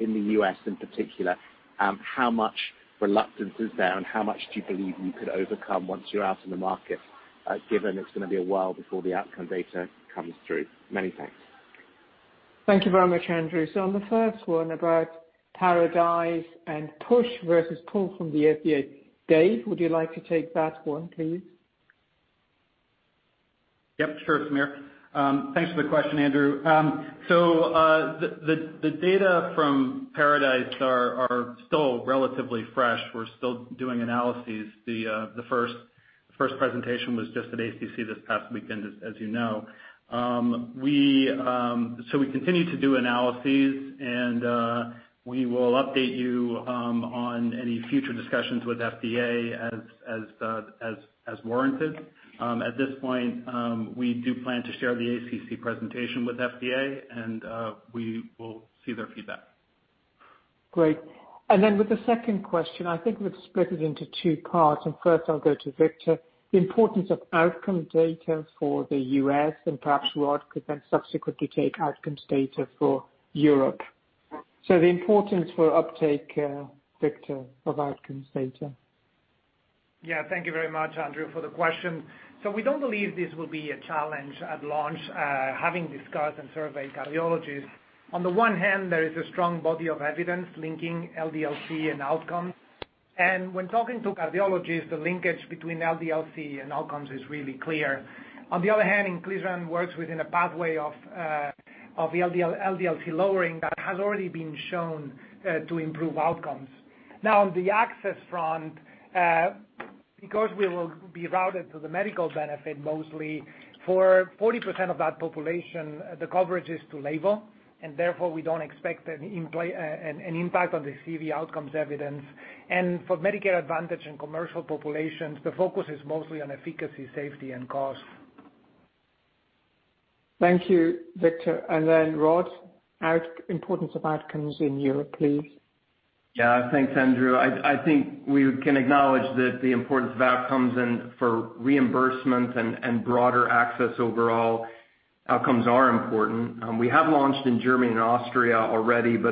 Speaker 10: in the U.S. in particular, how much reluctance is there and how much do you believe you can overcome once you're out in the market, given it's going to be a while before the outcome data comes through. Many thanks.
Speaker 2: Thank you very much, Andrew. On the first one about PARADISE-MI and push versus pull from the FDA. David, would you like to take that one, please?
Speaker 3: Sure, Samir. Thanks for the question, Andrew. The data from PARADISE-MI are still relatively fresh. We're still doing analyses. The first presentation was just at ACC this past weekend, as you know. We continue to do analyses, and we will update you on any future discussions with FDA as warranted. At this point, we do plan to share the ACC presentation with FDA, and we will see their feedback.
Speaker 2: Great. Then with the second question, I think we'll split it into two parts. First, I'll go to Victor. The importance of outcome data for the U.S. and perhaps Rod could then subsequently take outcomes data for Europe. The importance for uptake, Victor, of outcomes data.
Speaker 5: Thank you very much, Andrew, for the question. We don't believe this will be a challenge at launch, having discussed and surveyed cardiologists. On the one hand, there is a strong body of evidence linking LDL-C and outcomes. When talking to cardiologists, the linkage between LDL-C and outcomes is really clear. On the other hand, inclisiran works within a pathway of LDL-C lowering that has already been shown to improve outcomes. On the access front, because we will be routed to the medical benefit mostly, for 40% of that population, the coverage is to label, and therefore we don't expect an impact on the CV outcomes evidence. For Medicare Advantage and commercial populations, the focus is mostly on efficacy, safety, and cost.
Speaker 2: Thank you, Victor. Rod, importance of outcomes in Europe, please.
Speaker 4: Yeah, thanks, Andrew. I think we can acknowledge that the importance of outcomes and for reimbursements and broader access overall, outcomes are important.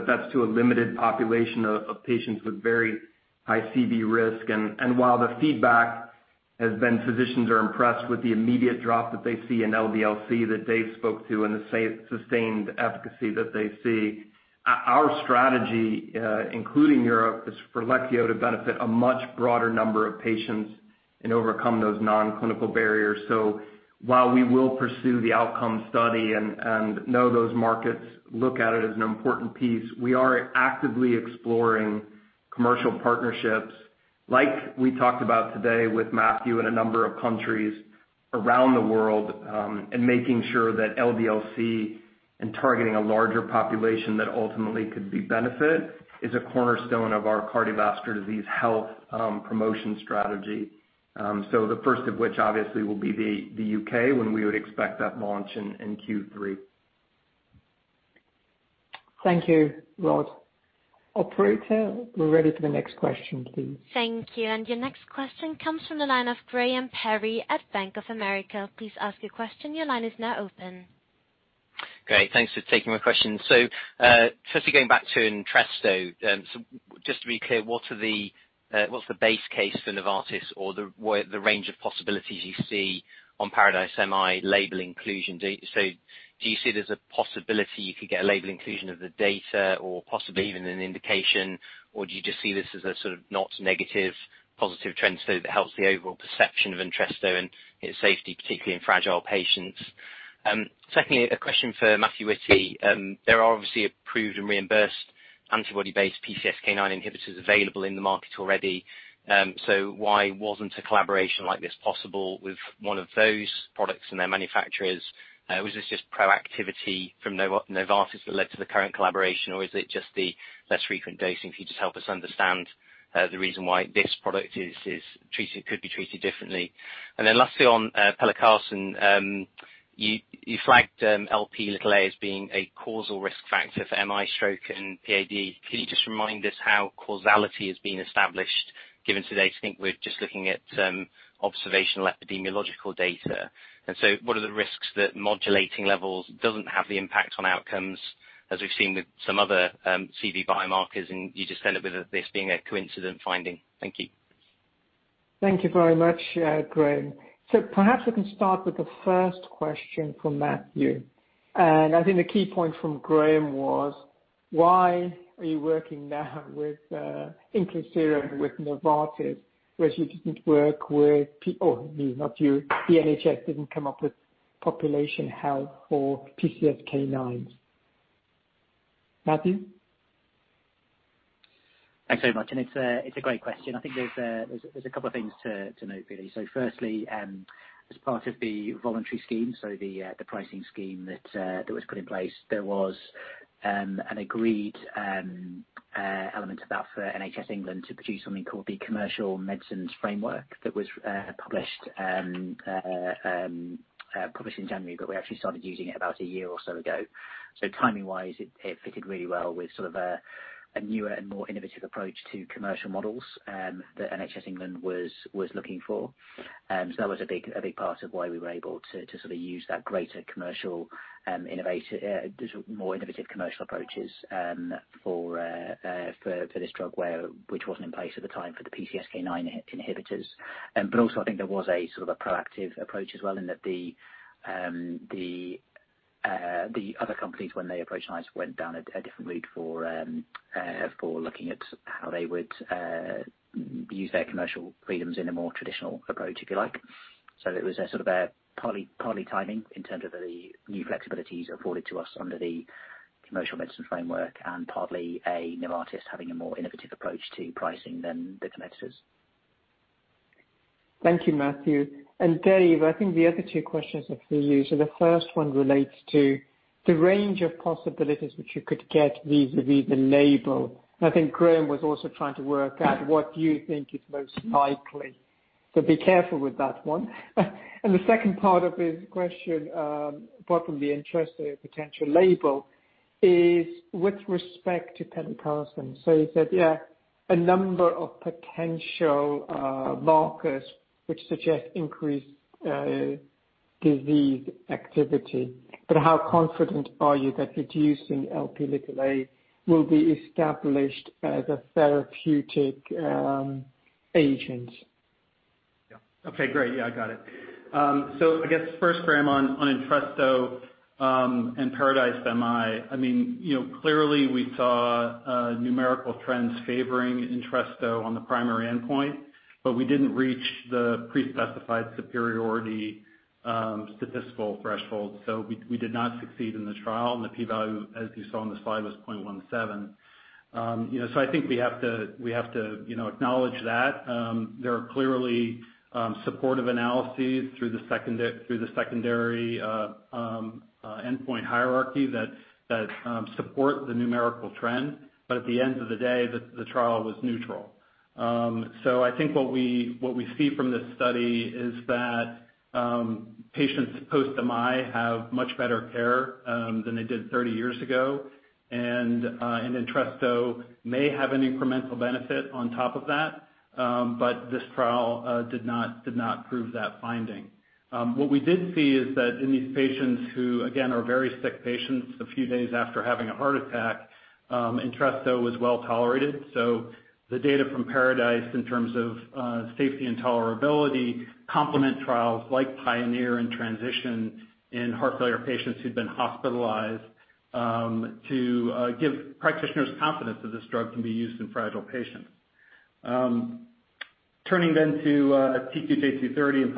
Speaker 4: That's to a limited population of patients with very high CV risk. While the feedback has been physicians are impressed with the immediate drop that they see in LDL-C that they've spoke to and the sustained efficacy that they see. Our strategy, including Europe, is for LEQVIO to benefit a much broader number of patients and overcome those non-clinical barriers. While we will pursue the outcome study and know those markets look at it as an important piece, we are actively exploring commercial partnerships, like we talked about today with Matthew in a number of countries around the world, and making sure that LDL-C and targeting a larger population that ultimately could be benefit is a cornerstone of our cardiovascular disease health promotion strategy. The first of which obviously will be the U.K. when we would expect that launch in Q3.
Speaker 2: Thank you, Rod. Operator, we are ready for the next question, please.
Speaker 1: Thank you. Your next question comes from the line of Graham Parry at Bank of America. Please ask your question. Your line is now open.
Speaker 11: Great. Thanks for taking my question. Just going back to Entresto. Just to be clear, what's the base case for Novartis or the range of possibilities you see on PARADISE-MI label inclusion? Do you see there's a possibility you could get label inclusion of the data or possibly even an indication? Do you just see this as a sort of not negative, positive trend, so that helps the overall perception of Entresto and its safety, particularly in fragile patients. Secondly, a question for Matthew Whitty. There are obviously approved and reimbursed antibody-based PCSK9 inhibitors available in the market already. Why wasn't a collaboration like this possible with one of those products and their manufacturers? Was this just proactivity from Novartis that led to the current collaboration, or is it just the less frequent dosing? Could you just help us understand the reason why this product could be treated differently? Then lastly, on pelacarsen, you flagged Lp(a) as being a causal risk factor for MI, stroke, and PAD. Can you just remind us how causality is being established given today I think we're just looking at observational epidemiological data. So what are the risks that modulating levels doesn't have the impact on outcomes as we've seen with some other CV biomarkers, and you just said a bit of this being a coincident finding. Thank you.
Speaker 2: Thank you very much, Graham. Perhaps I can start with the first question from Matthew. I think the key point from Graham was why are you working now with inclisiran with Novartis, whereas you didn't work with, oh, not you, the NHS didn't come up with population health for PCSK9. Matthew.
Speaker 6: Thanks very much, and it's a great question. I think there's a couple of things to note, really. Firstly, as part of the Voluntary Scheme, so the pricing scheme that was put in place, there was an agreed element of that for NHS England to produce something called the Commercial Medicines Framework that was published in January, but we actually started using it about a year or so ago. Timing-wise, it fitted really well with sort of a newer and more innovative approach to commercial models that NHS England was looking for. That was a big part of why we were able to use that greater commercial innovative, more innovative commercial approaches for this drug which wasn't in place at the time for the PCSK9 inhibitors. Also, I think there was a sort of proactive approach as well in that the other companies when they approached us went down a different route for looking at how they would use their commercial freedoms in a more traditional approach, if you like. It was sort of a partly timing in terms of the new flexibilities afforded to us under the Commercial Medicines Framework and partly Novartis having a more innovative approach to pricing than the competitors.
Speaker 2: Thank you, Matthew. Graham, I think the other two questions are for you. The first one relates to the range of possibilities which you could get vis-a-vis the label. I think Graham was also trying to work out what you think is most likely. Be careful with that one. The second part of the question, apart from the interest of a potential label, is with respect to pelacarsen. You said, yeah, a number of potential markers which suggest increased disease activity. How confident are you that reducing Lp will be established as a therapeutic agent?
Speaker 3: Okay, great. Yeah, I got it. I guess first, Graham, on Entresto and PARADISE-MI, clearly we saw numerical trends favoring Entresto on the primary endpoint, but we didn't reach the pre-specified superiority statistical threshold. We did not succeed in the trial. The P-value, as you saw on the slide, was 0.17. I think we have to acknowledge that. There are clearly supportive analyses through the secondary endpoint hierarchy that support the numerical trend. At the end of the day, the trial was neutral. I think what we see from this study is that patients post-MI have much better care than they did 30 years ago. Entresto may have an incremental benefit on top of that, but this trial did not prove that finding. What we did see is that in these patients who, again, are very sick patients a few days after having a heart attack, Entresto was well-tolerated. The data from PARADISE-MI in terms of safety and tolerability complement trials like PIONEER-HF and TRANSITION in heart failure patients who've been hospitalized to give practitioners confidence that this drug can be used in fragile patients. Turning to TQJ230 and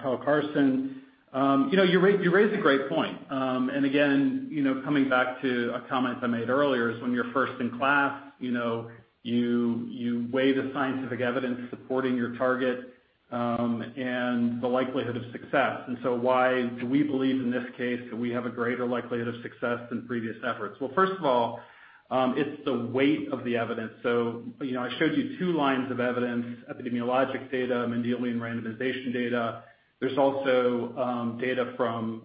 Speaker 3: pelacarsen. You raised a great point. Again, coming back to a comment I made earlier, is when you're first in class, you weigh the scientific evidence supporting your target and the likelihood of success. Why do we believe in this case that we have a greater likelihood of success than previous efforts? Well, first of all, it's the weight of the evidence. I showed you two lines of evidence, epidemiologic data, Mendelian randomization data. There's also data from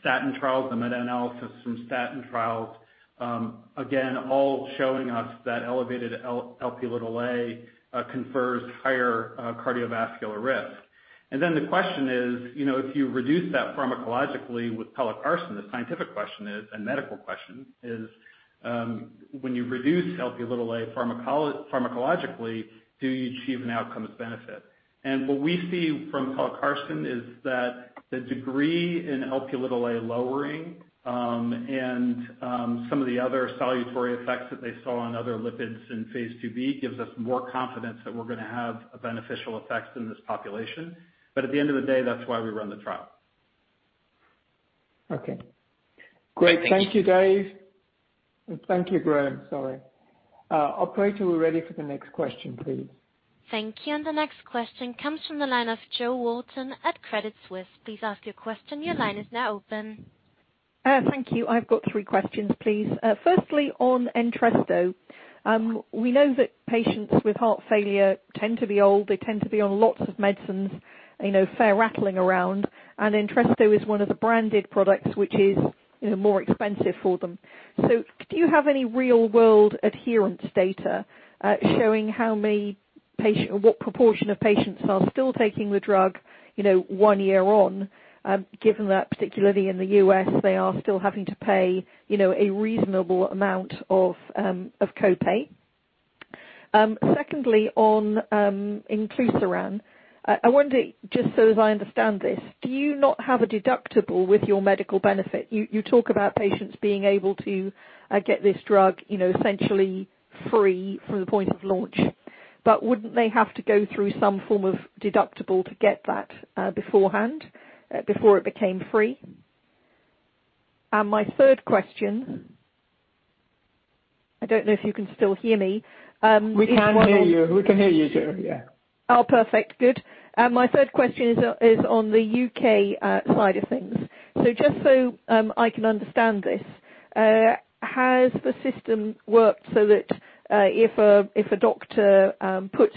Speaker 3: statin trials and meta-analysis from statin trials. All showing us that elevated Lp(a) confers higher cardiovascular risk. The question is, if you reduce that pharmacologically with pelacarsen, the scientific question is, and medical question is, when you reduce Lp(a) pharmacologically, do you achieve an outcomes benefit? What we see from pelacarsen is that the degree in Lp(a) lowering and some of the other salutary effects that they saw on other lipids in phase IIb gives us more confidence that we're going to have a beneficial effect in this population. At the end of the day, that's why we run the trial.
Speaker 2: Okay. Great. Thank you, David. Thank you, Graham. Sorry. Operator, we're ready for the next question, please.
Speaker 1: Thank you. The next question comes from the line of Jo Walton at Credit Suisse. Please ask your question. Your line is now open.
Speaker 12: Thank you. I've got three questions, please. Firstly, on Entresto. We know that patients with heart failure tend to be old. They tend to be on lots of medicines. They are rattling around. Entresto is one of the branded products, which is more expensive for them. Do you have any real-world adherence data showing what proportion of patients are still taking the drug one year on? Given that, particularly in the U.S., they are still having to pay a reasonable amount of co-pay. Secondly, on inclisiran, I wonder, just so as I understand this, do you not have a deductible with your medical benefit? You talk about patients being able to get this drug essentially free from the point of launch. Wouldn't they have to go through some form of deductible to get that beforehand, before it became free? My third question, I don't know if you can still hear me.
Speaker 2: We can hear you. We can hear you, Jo. Yeah.
Speaker 12: Oh, perfect. Good. My third question is on the U.K. side of things. Just so I can understand this, has the system worked so that if a doctor puts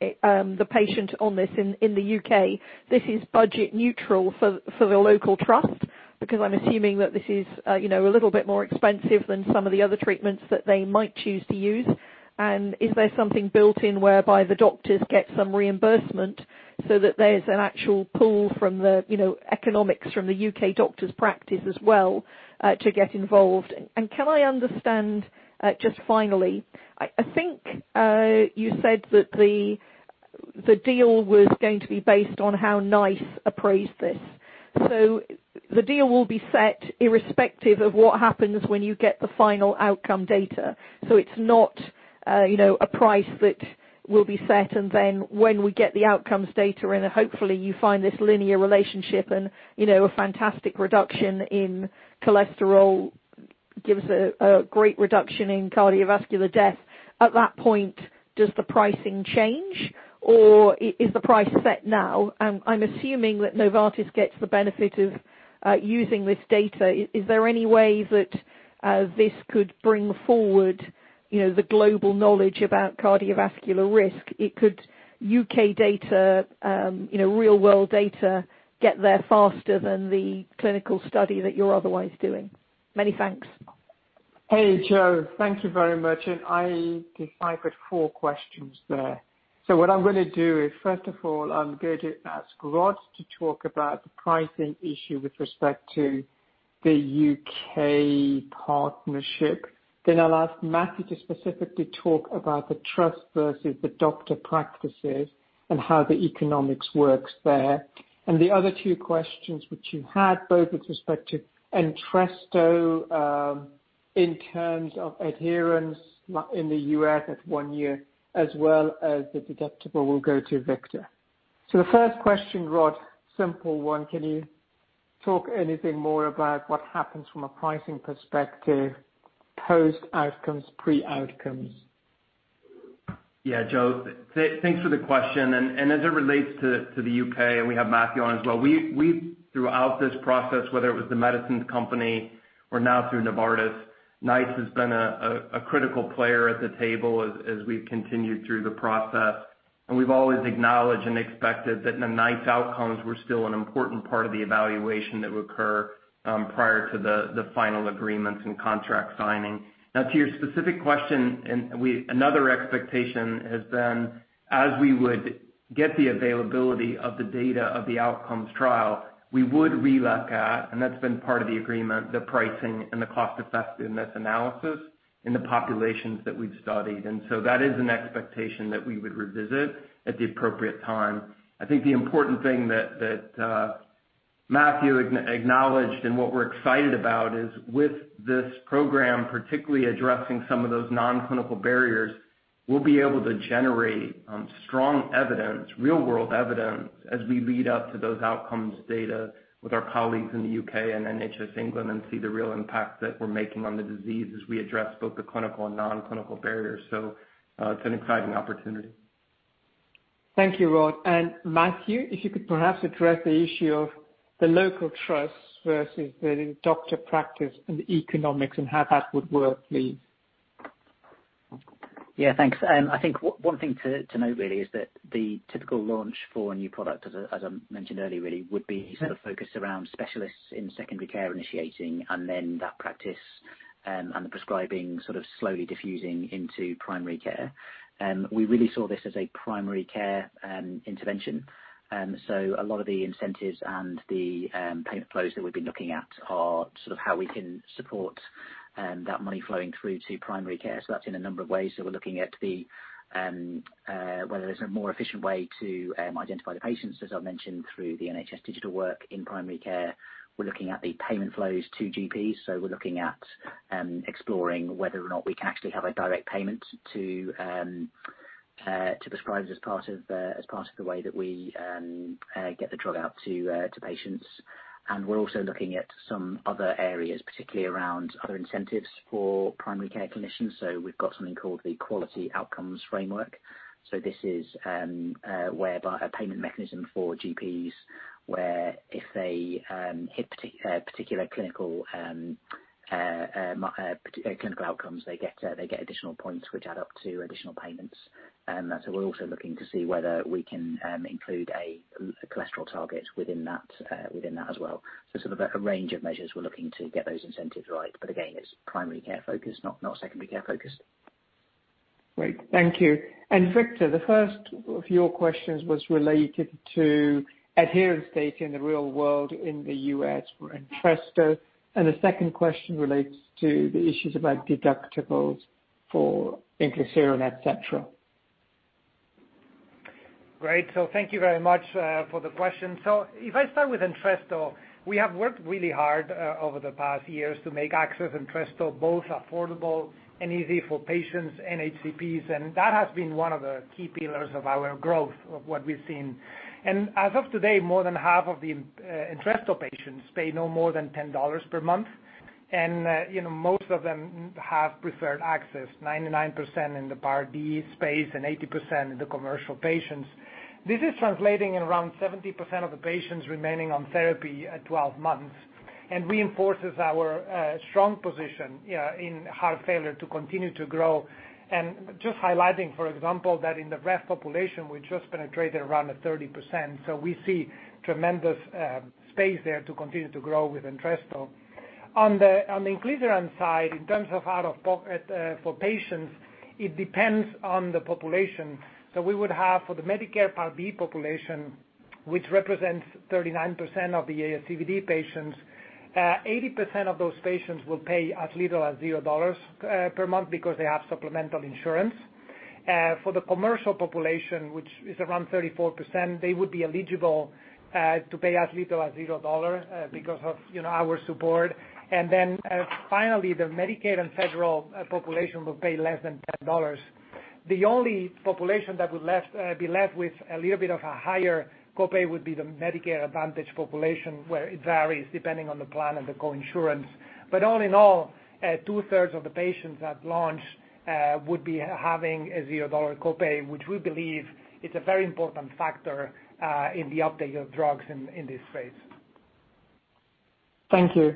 Speaker 12: the patient on this in the U.K., this is budget neutral for the local trust? Because I'm assuming that this is a little bit more expensive than some of the other treatments that they might choose to use. Is there something built in whereby the doctors get some reimbursement so that there's an actual pull from the economics from the U.K. doctor's practice as well to get involved? Can I understand, just finally, I think you said that the deal was going to be based on how NICE appraised this. The deal will be set irrespective of what happens when you get the final outcome data. It's not a price that will be set and then when we get the outcomes data in, hopefully you find this linear relationship and a fantastic reduction in cholesterol gives a great reduction in cardiovascular death. At that point, does the pricing change, or is the price set now? I'm assuming that Novartis gets the benefit of using this data. Is there any way that this could bring forward the global knowledge about cardiovascular risk? Could U.K. data, real world data, get there faster than the clinical study that you're otherwise doing? Many thanks.
Speaker 2: Hey, Jo. Thank you very much. I think I've got four questions there. What I'm going to do is, first of all, I'm going to ask Rod to talk about the pricing issue with respect to the U.K. partnership. I'll ask Matthew to specifically talk about the trust versus the doctor practices and how the economics works there. The other two questions which you had, both with respect to Entresto in terms of adherence in the U.S. at one year, as well as the deductible will go to Victor. First question, Rod, simple one. Can you talk anything more about what happens from a pricing perspective post outcomes, pre outcomes?
Speaker 4: Yeah, Jo. Thanks for the question. As it relates to the U.K., we have Matthew on as well. We throughout this process, whether it was The Medicines Company We're now through Novartis. NICE has been a critical player at the table as we've continued through the process, and we've always acknowledged and expected that the NICE outcomes were still an important part of the evaluation that would occur prior to the final agreements and contract signing. To your specific question, another expectation is then as we would get the availability of the data of the outcomes trial, we would re-look at, and that's been part of the agreement, the pricing and the cost-effectiveness analysis in the populations that we've studied. That is an expectation that we would revisit at the appropriate time. I think the important thing that Matthew acknowledged and what we're excited about is with this program, particularly addressing some of those non-clinical barriers, we'll be able to generate strong evidence, real-world evidence, as we lead up to those outcomes data with our colleagues in the U.K. and NHS England and see the real impact that we're making on the disease as we address both the clinical and non-clinical barriers. It's an exciting opportunity.
Speaker 2: Thank you, Rod. Matthew, if you could perhaps address the issue of the local trust versus the doctor practice and the economics and how that would work, please.
Speaker 6: Yeah, thanks. I think one thing to note really is that the typical launch for a new product, as I mentioned earlier, really would be sort of focused around specialists in secondary care initiating and then that practice and prescribing sort of slowly diffusing into primary care. We really saw this as a primary care intervention. A lot of the incentives and the payment flows that we've been looking at are sort of how we can support that money flowing through to primary care. That's in a number of ways. We're looking at whether there's a more efficient way to identify patients, as I mentioned, through the NHS Digital work in primary care. We're looking at the payment flows to GPs. We're looking at exploring whether or not we can actually have a direct payment to prescribers as part of the way that we get the drug out to patients. We're also looking at some other areas, particularly around other incentives for primary care clinicians. We've got something called the Quality and Outcomes Framework. This is whereby a payment mechanism for GPs, where if they hit particular clinical outcomes, they get additional points which add up to additional payments. We're also looking to see whether we can include a cholesterol target within that as well. A range of measures we're looking to get those incentives right. Again, it's primary care focused, not secondary care focused.
Speaker 2: Great. Thank you. Victor, the first of your questions was related to adherence state in the real world in the U.S. for Entresto, the second question relates to the issues about deductibles for inclisiran, et cetera.
Speaker 5: Thank you very much for the question. If I start with Entresto, we have worked really hard over the past years to make access to Entresto both affordable and easy for patients and HCPs. That has been one of the key pillars of our growth of what we've seen. As of today, more than half of the Entresto patients pay no more than $10 per month. Most of them have preferred access, 99% in the Part D space and 80% in the commercial patients. This is translating around 70% of the patients remaining on therapy at 12 months. Reinforces our strong position in heart failure to continue to grow, just highlighting, for example, that in the rest population, we just penetrate around 30%. We see tremendous space there to continue to grow with Entresto. On the inclisiran side, in terms of out-of-pocket for patients, it depends on the population. We would have for the Medicare Part D population, which represents 39% of the ASCVD patients, 80% of those patients will pay as little as $0 per month because they have supplemental insurance. For the commercial population, which is around 34%, they would be eligible to pay as little as $0 because of our support. Finally, the Medicare and federal population will pay less than $10. The only population that would be left with a little bit of a higher copay would be the Medicare Advantage population, where it varies depending on the plan and the co-insurance. All in all, two-thirds of the patients at launch would be having a $0 copay, which we believe is a very important factor in the uptake of drugs in this space.
Speaker 2: Thank you.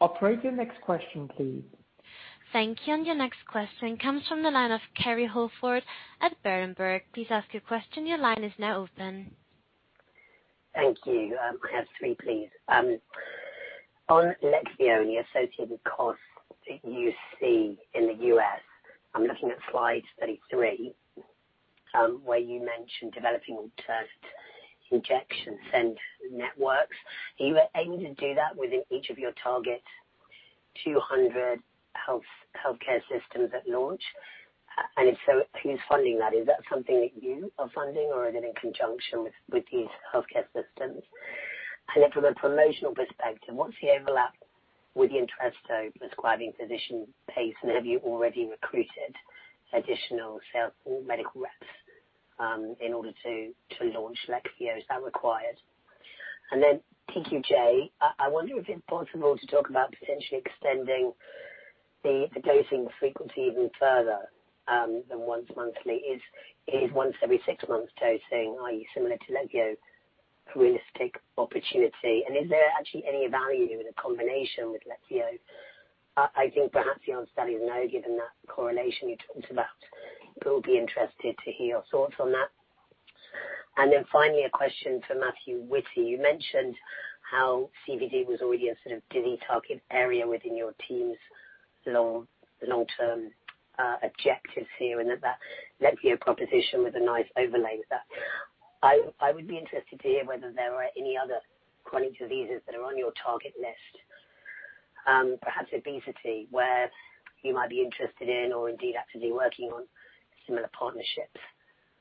Speaker 2: Operator, next question, please.
Speaker 1: Thank you. Your next question comes from the line of Kerry Holford at Berenberg. Please ask your question. Your line is now open.
Speaker 13: Thank you. Can I have three, please? On LEQVIO, the associated costs that you see in the U.S., I'm looking at slide 33, where you mentioned developing test injection center networks. Do you aim to do that within each of your target 200 healthcare systems at launch? Who's funding that? Is that something that you are funding or is it in conjunction with these healthcare systems? From a promotional perspective, once you overlap with Entresto prescribing physician base, have you already recruited additional medical reps in order to launch LEQVIO? Is that required? TQJ, I wonder if it's possible to talk about potentially extending. The dosing frequency even further than once monthly is once every six months dosing. Are you similar to LEQVIO a realistic opportunity? Is there actually any value in a combination with LEQVIO? I think perhaps the answer is no, given that correlation in terms of that. I'll be interested to hear your thoughts on that. Finally, a question from Matthew Whitty. You mentioned how CVD was already a sort of key target area within your team's long-term objectives here, and that LEQVIO proposition was a nice overlay with that. I would be interested to hear whether there were any other chronic diseases that are on your target list, perhaps at ACC, where you might be interested in or indeed actually working on similar partnerships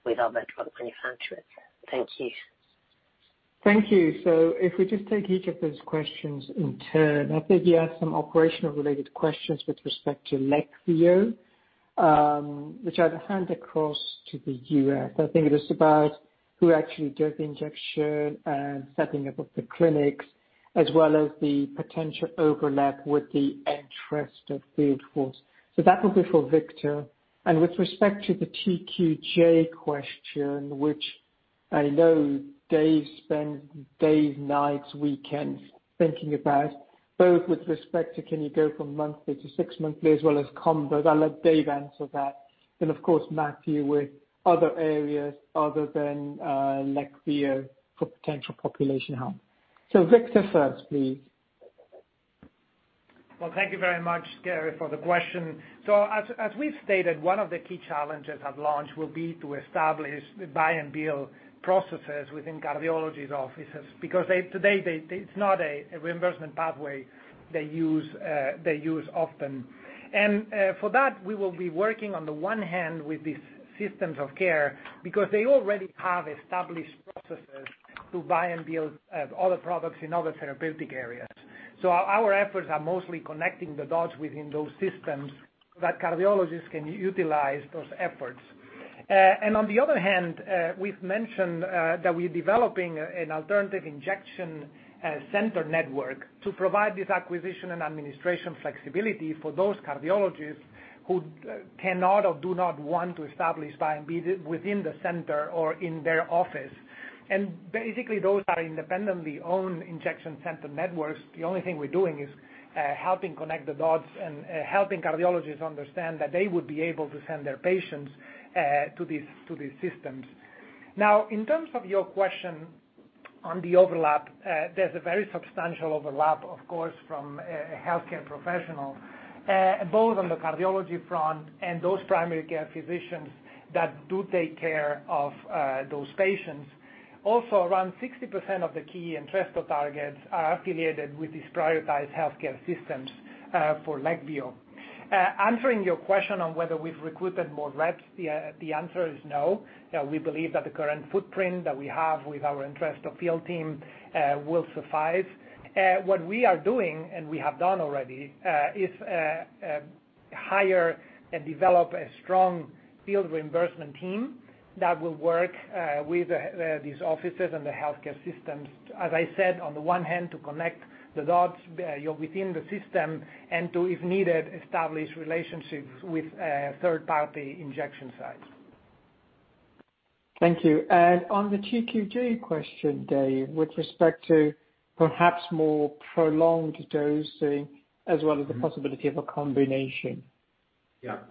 Speaker 13: with other drug manufacturers. Thank you.
Speaker 2: Thank you. If we just take each of those questions in turn, I think you have some operational-related questions with respect to LEQVIO, which I'll hand across to the U.S. I think it was about who actually does the injection, setting up of the clinics, as well as the potential overlap with the Entresto field force. That one be for Victor. With respect to the TQJ230 question, which I know David spends days, nights, weekends thinking about, both with respect to can you go from monthly to six monthly as well as combo. I'll let David answer that. Of course, Matthew with other areas other than LEQVIO for potential population health. Victor first, please.
Speaker 5: Well, thank you very much, Kerry, for the question. As we've stated, one of the key challenges at launch will be to establish the buy and bill processes within cardiologists' offices, because today it's not a reimbursement pathway they use often. For that, we will be working on the one hand with these systems of care because they already have established processes to buy and bill other products in other therapeutic areas. Our efforts are mostly connecting the dots within those systems so that cardiologists can utilize those efforts. On the other hand, we've mentioned that we're developing an alternative injection center network to provide this acquisition and administration flexibility for those cardiologists who cannot or do not want to establish buy and bill within the center or in their office. Basically, those are independently owned injection center networks. The only thing we're doing is helping connect the dots and helping cardiologists understand that they would be able to send their patients to these systems. Now, in terms of your question on the overlap, there's a very substantial overlap, of course, from a healthcare professional, both on the cardiology front and those primary care physicians that do take care of those patients. Also, around 60% of the key Entresto targets are affiliated with these prioritized healthcare systems for LEQVIO. Answering your question on whether we've recruited more reps, the answer is no. We believe that the current footprint that we have with our Entresto field team will suffice. What we are doing, and we have done already, is hire and develop a strong field reimbursement team that will work with these offices and the healthcare systems, as I said, on the one hand, to connect the dots within the system and to, if needed, establish relationships with third-party injection sites.
Speaker 2: Thank you. On the TQJ230 question, David, with respect to perhaps more prolonged dosing as well as the possibility of a combination.
Speaker 3: Thanks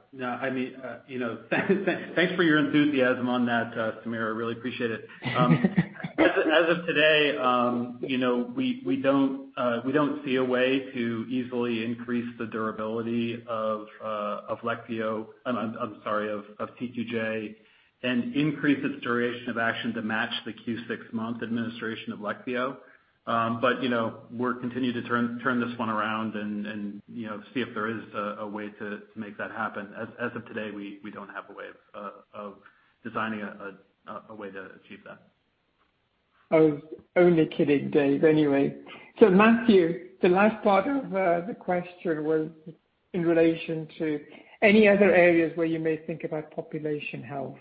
Speaker 3: for your enthusiasm on that, Samir Shah. Really appreciate it. As of today, we don't see a way to easily increase the durability of TQJ230 and increase its duration of action to match the Q6 month administration of LEQVIO. We'll continue to turn this one around and see if there is a way to make that happen. As of today, we don't have a way of designing a way to achieve that.
Speaker 2: I was only kidding, David. Anyway. Matthew, the last part of the question was in relation to any other areas where you may think about population health.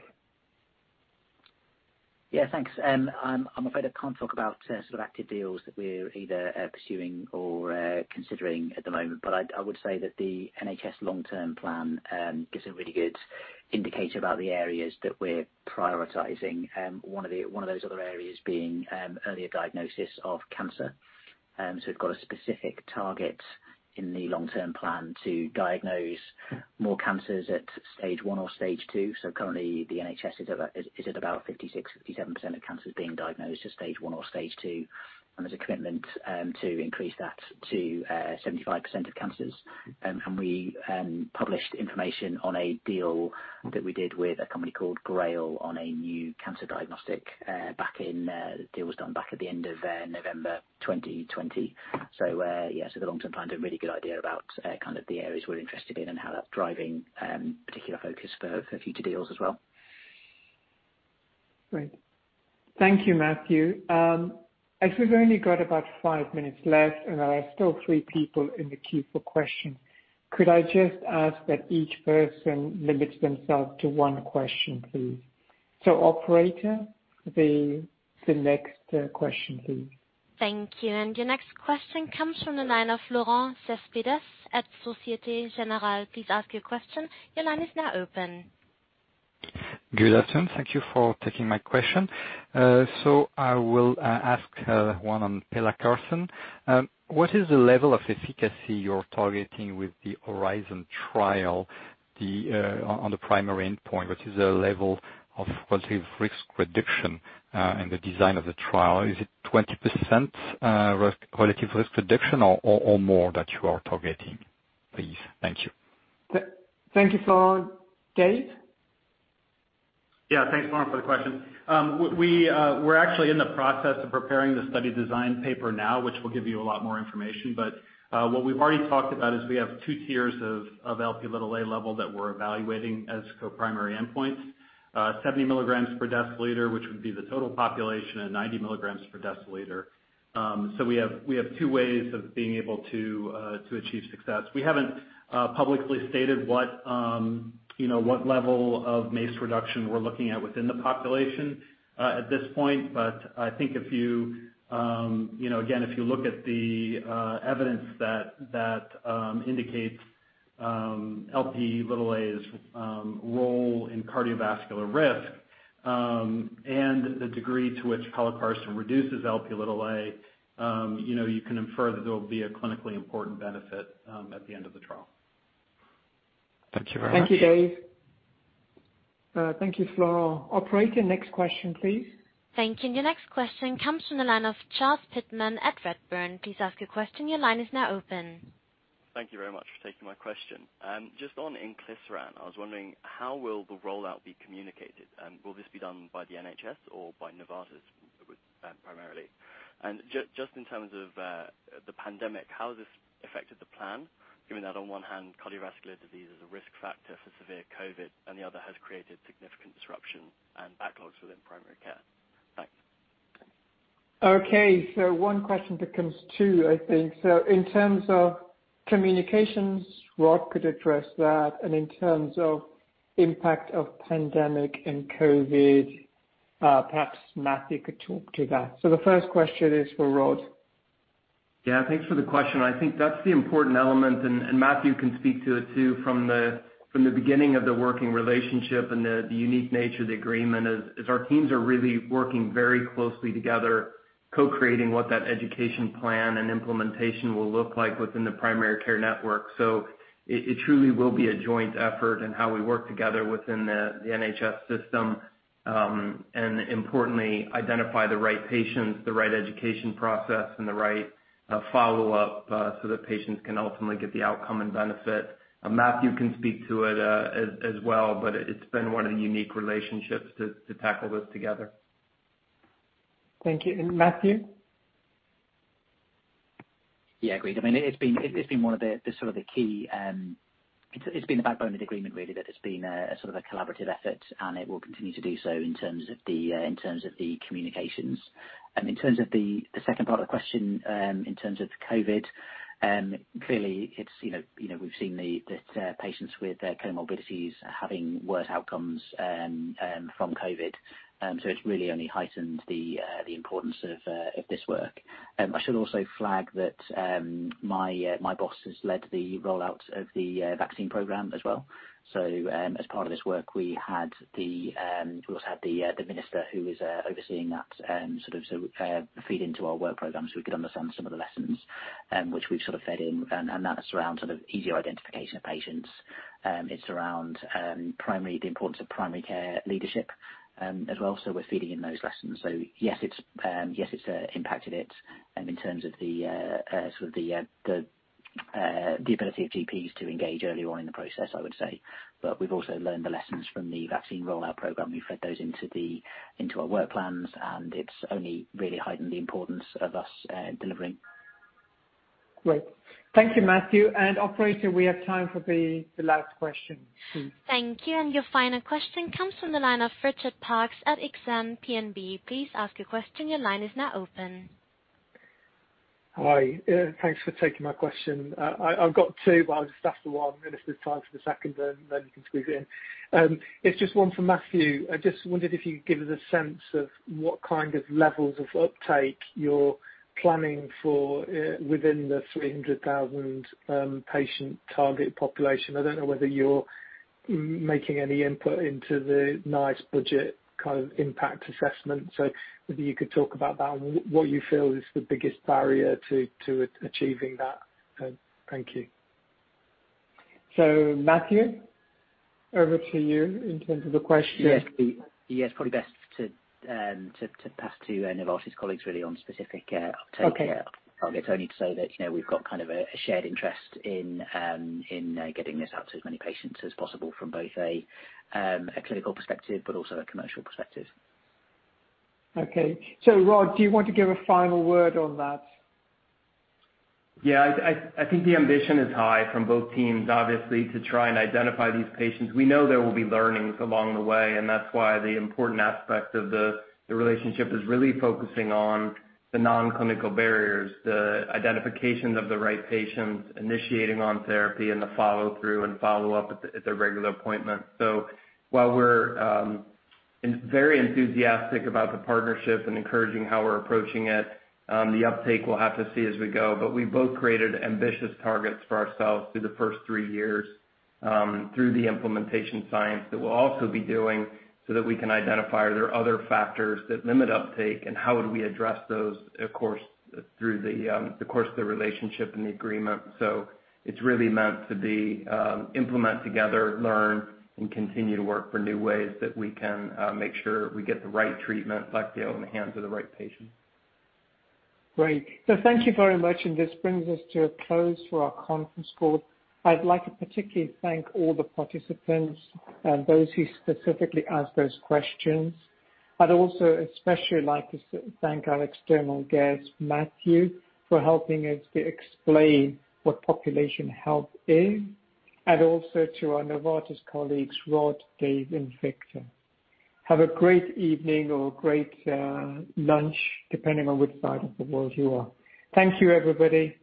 Speaker 6: Yeah, thanks. I'm afraid I can't talk about specific deals that we're either pursuing or considering at the moment. I would say that the NHS Long Term Plan gives a really good indicator about the areas that we're prioritizing. One of those other areas being earlier diagnosis of cancer. We've got a specific target in the Long Term Plan to diagnose more cancers at stage one or stage two. Currently, the NHS is at about 56%-57% of cancers being diagnosed at stage one or stage two. There's a commitment to increase that to 75% of cancers. We published information on a deal that we did with a company called Grail on a new cancer diagnostic. The deal was done back at the end of November 2020. Yeah, so the Long Term Plan, a really good idea about the areas we're interested in and how that's driving particular focus for future deals as well.
Speaker 2: Great. Thank you, Matthew. As we've only got about five minutes left and there are still three people in the queue for questions, could I just ask that each person limits themselves to one question, please. Operator, the next question please.
Speaker 1: Thank you. Your next question comes from the line of Florent Cespedes at Société Générale. Please ask your question. Your line is now open.
Speaker 14: Good afternoon. Thank you for taking my question. I will ask one on pelacarsen. What is the level of efficacy you're targeting with the HORIZON trial on the primary endpoint? What is the level of relative risk reduction in the design of the trial? Is it 20% relative risk reduction or more that you are targeting, please? Thank you.
Speaker 2: Thank you, Florent. David?
Speaker 3: Thanks very much for the question. We're actually in the process of preparing the study design paper now, which will give you a lot more information. What we've already talked about is we have two tiers of Lp level that we're evaluating as co-primary endpoints. 70 milligrams per deciliter, which would be the total population, and 90 milligrams per deciliter. We have two ways of being able to achieve success. We haven't publicly stated what level of MACE reduction we're looking at within the population at this point. I think, again, if you look at the evidence that indicates Lp's role in cardiovascular risk and the degree to which pelacarsen reduces Lp, you can infer that there'll be a clinically important benefit at the end of the trial.
Speaker 14: Thank you very much.
Speaker 2: Thank you, David. Thank you, Florent. Operator, next question, please.
Speaker 1: Thank you. The next question comes from the line of Charles Pitman-King at Redburn. Please ask your question. Your line is now open.
Speaker 15: Thank you very much for taking my question. Just on inclisiran, I was wondering how will the rollout be communicated, and will this be done by the NHS or by Novartis primarily? Just in terms of the pandemic, how has this affected the plan, given that on one hand, cardiovascular disease is a risk factor for severe COVID, and the other has created significant disruption and backlogs within primary care? Thanks.
Speaker 2: Okay, one question becomes two, I think. In terms of communications, Rod could address that. In terms of impact of pandemic and COVID, perhaps Matthew could talk to that. The first question is for Rod.
Speaker 4: Thanks for the question. I think that's the important element, and Matthew can speak to it, too. From the beginning of the working relationship and the unique nature of the agreement is our teams are really working very closely together, co-creating what that education plan and implementation will look like within the primary care network. It truly will be a joint effort in how we work together within the NHS system and importantly, identify the right patients, the right education process and the right follow-up so that patients can ultimately get the outcome and benefit. Matthew can speak to it as well, but it's been one unique relationship to tackle this together.
Speaker 2: Thank you. Matthew?
Speaker 6: Yeah, agreed. It's been the backbone of the agreement, really, that it's been a sort of collaborative effort and it will continue to do so in terms of the communications. In terms of the second part of the question in terms of COVID, clearly we've seen the patients with comorbidities having worse outcomes from COVID. It's really only heightened the importance of this work. I should also flag that my boss has led the rollout of the vaccine program as well. As part of this work, we also had the minister who is overseeing that to feed into our work program. We can understand some of the lessons which we fed in, and that's around easier identification of patients. It's around primarily the importance of primary care leadership as well. We're feeding in those lessons. Yes, it's impacted it in terms of the ability of GPs to engage early on in the process, I would say. We've also learned the lessons from the vaccine rollout program. We fed those into our work plans, it's only really heightened the importance of us delivering.
Speaker 2: Great. Thank you, Matthew. Operator, we have time for the last question.
Speaker 1: Thank you. Your final question comes from the line of Richard Parkes at Exane BNP. Please ask your question. Your line is now open.
Speaker 16: Hi. Thanks for taking my question. I've got two, but I'll just ask the one. If there's time for the second, then you can squeeze it in. It's just one for Matthew. I just wondered if you could give us a sense of what kind of levels of uptake you're planning for within the 300,000 patient target population. I don't know whether you're making any input into the NICE budget impact assessment, so maybe you could talk about that and what you feel is the biggest barrier to achieving that. Thank you.
Speaker 2: Matthew Whitty, over to you in terms of the question.
Speaker 6: Yes. It's probably best to pass to Novartis colleagues, really on specific uptake.
Speaker 2: Okay.
Speaker 6: If only so that we've got a shared interest in getting this out to as many patients as possible from both a clinical perspective, but also a commercial perspective.
Speaker 2: Okay. Rod, do you want to give a final word on that?
Speaker 4: Yeah, I think the ambition is high from both teams, obviously, to try and identify these patients. We know there will be learnings along the way, and that's why the important aspect of the relationship is really focusing on the non-clinical barriers, the identification of the right patients initiating on therapy and the follow-through and follow-up at the regular appointments. While we're very enthusiastic about the partnership and encouraging how we're approaching it, the uptake we'll have to see as we go. We both created ambitious targets for ourselves through the first three years through the implementation science that we'll also be doing so that we can identify are there are other factors that limit uptake and how would we address those, of course, through the course of the relationship and the agreement. It's really meant to be implement together, learn, and continue to work for new ways that we can make sure we get the right treatment back in the hands of the right patients.
Speaker 2: Thank you very much. This brings us to a close to our conference call. I'd like to particularly thank all the participants and those who specifically asked those questions. I'd also especially like to thank our external guest, Matthew Whitty, for helping us explain what population health is, and also to our Novartis colleagues, Rod Wooten, David Soergel, and Victor Bultó. Have a great evening or a great lunch, depending on which side of the world you are. Thank you, everybody.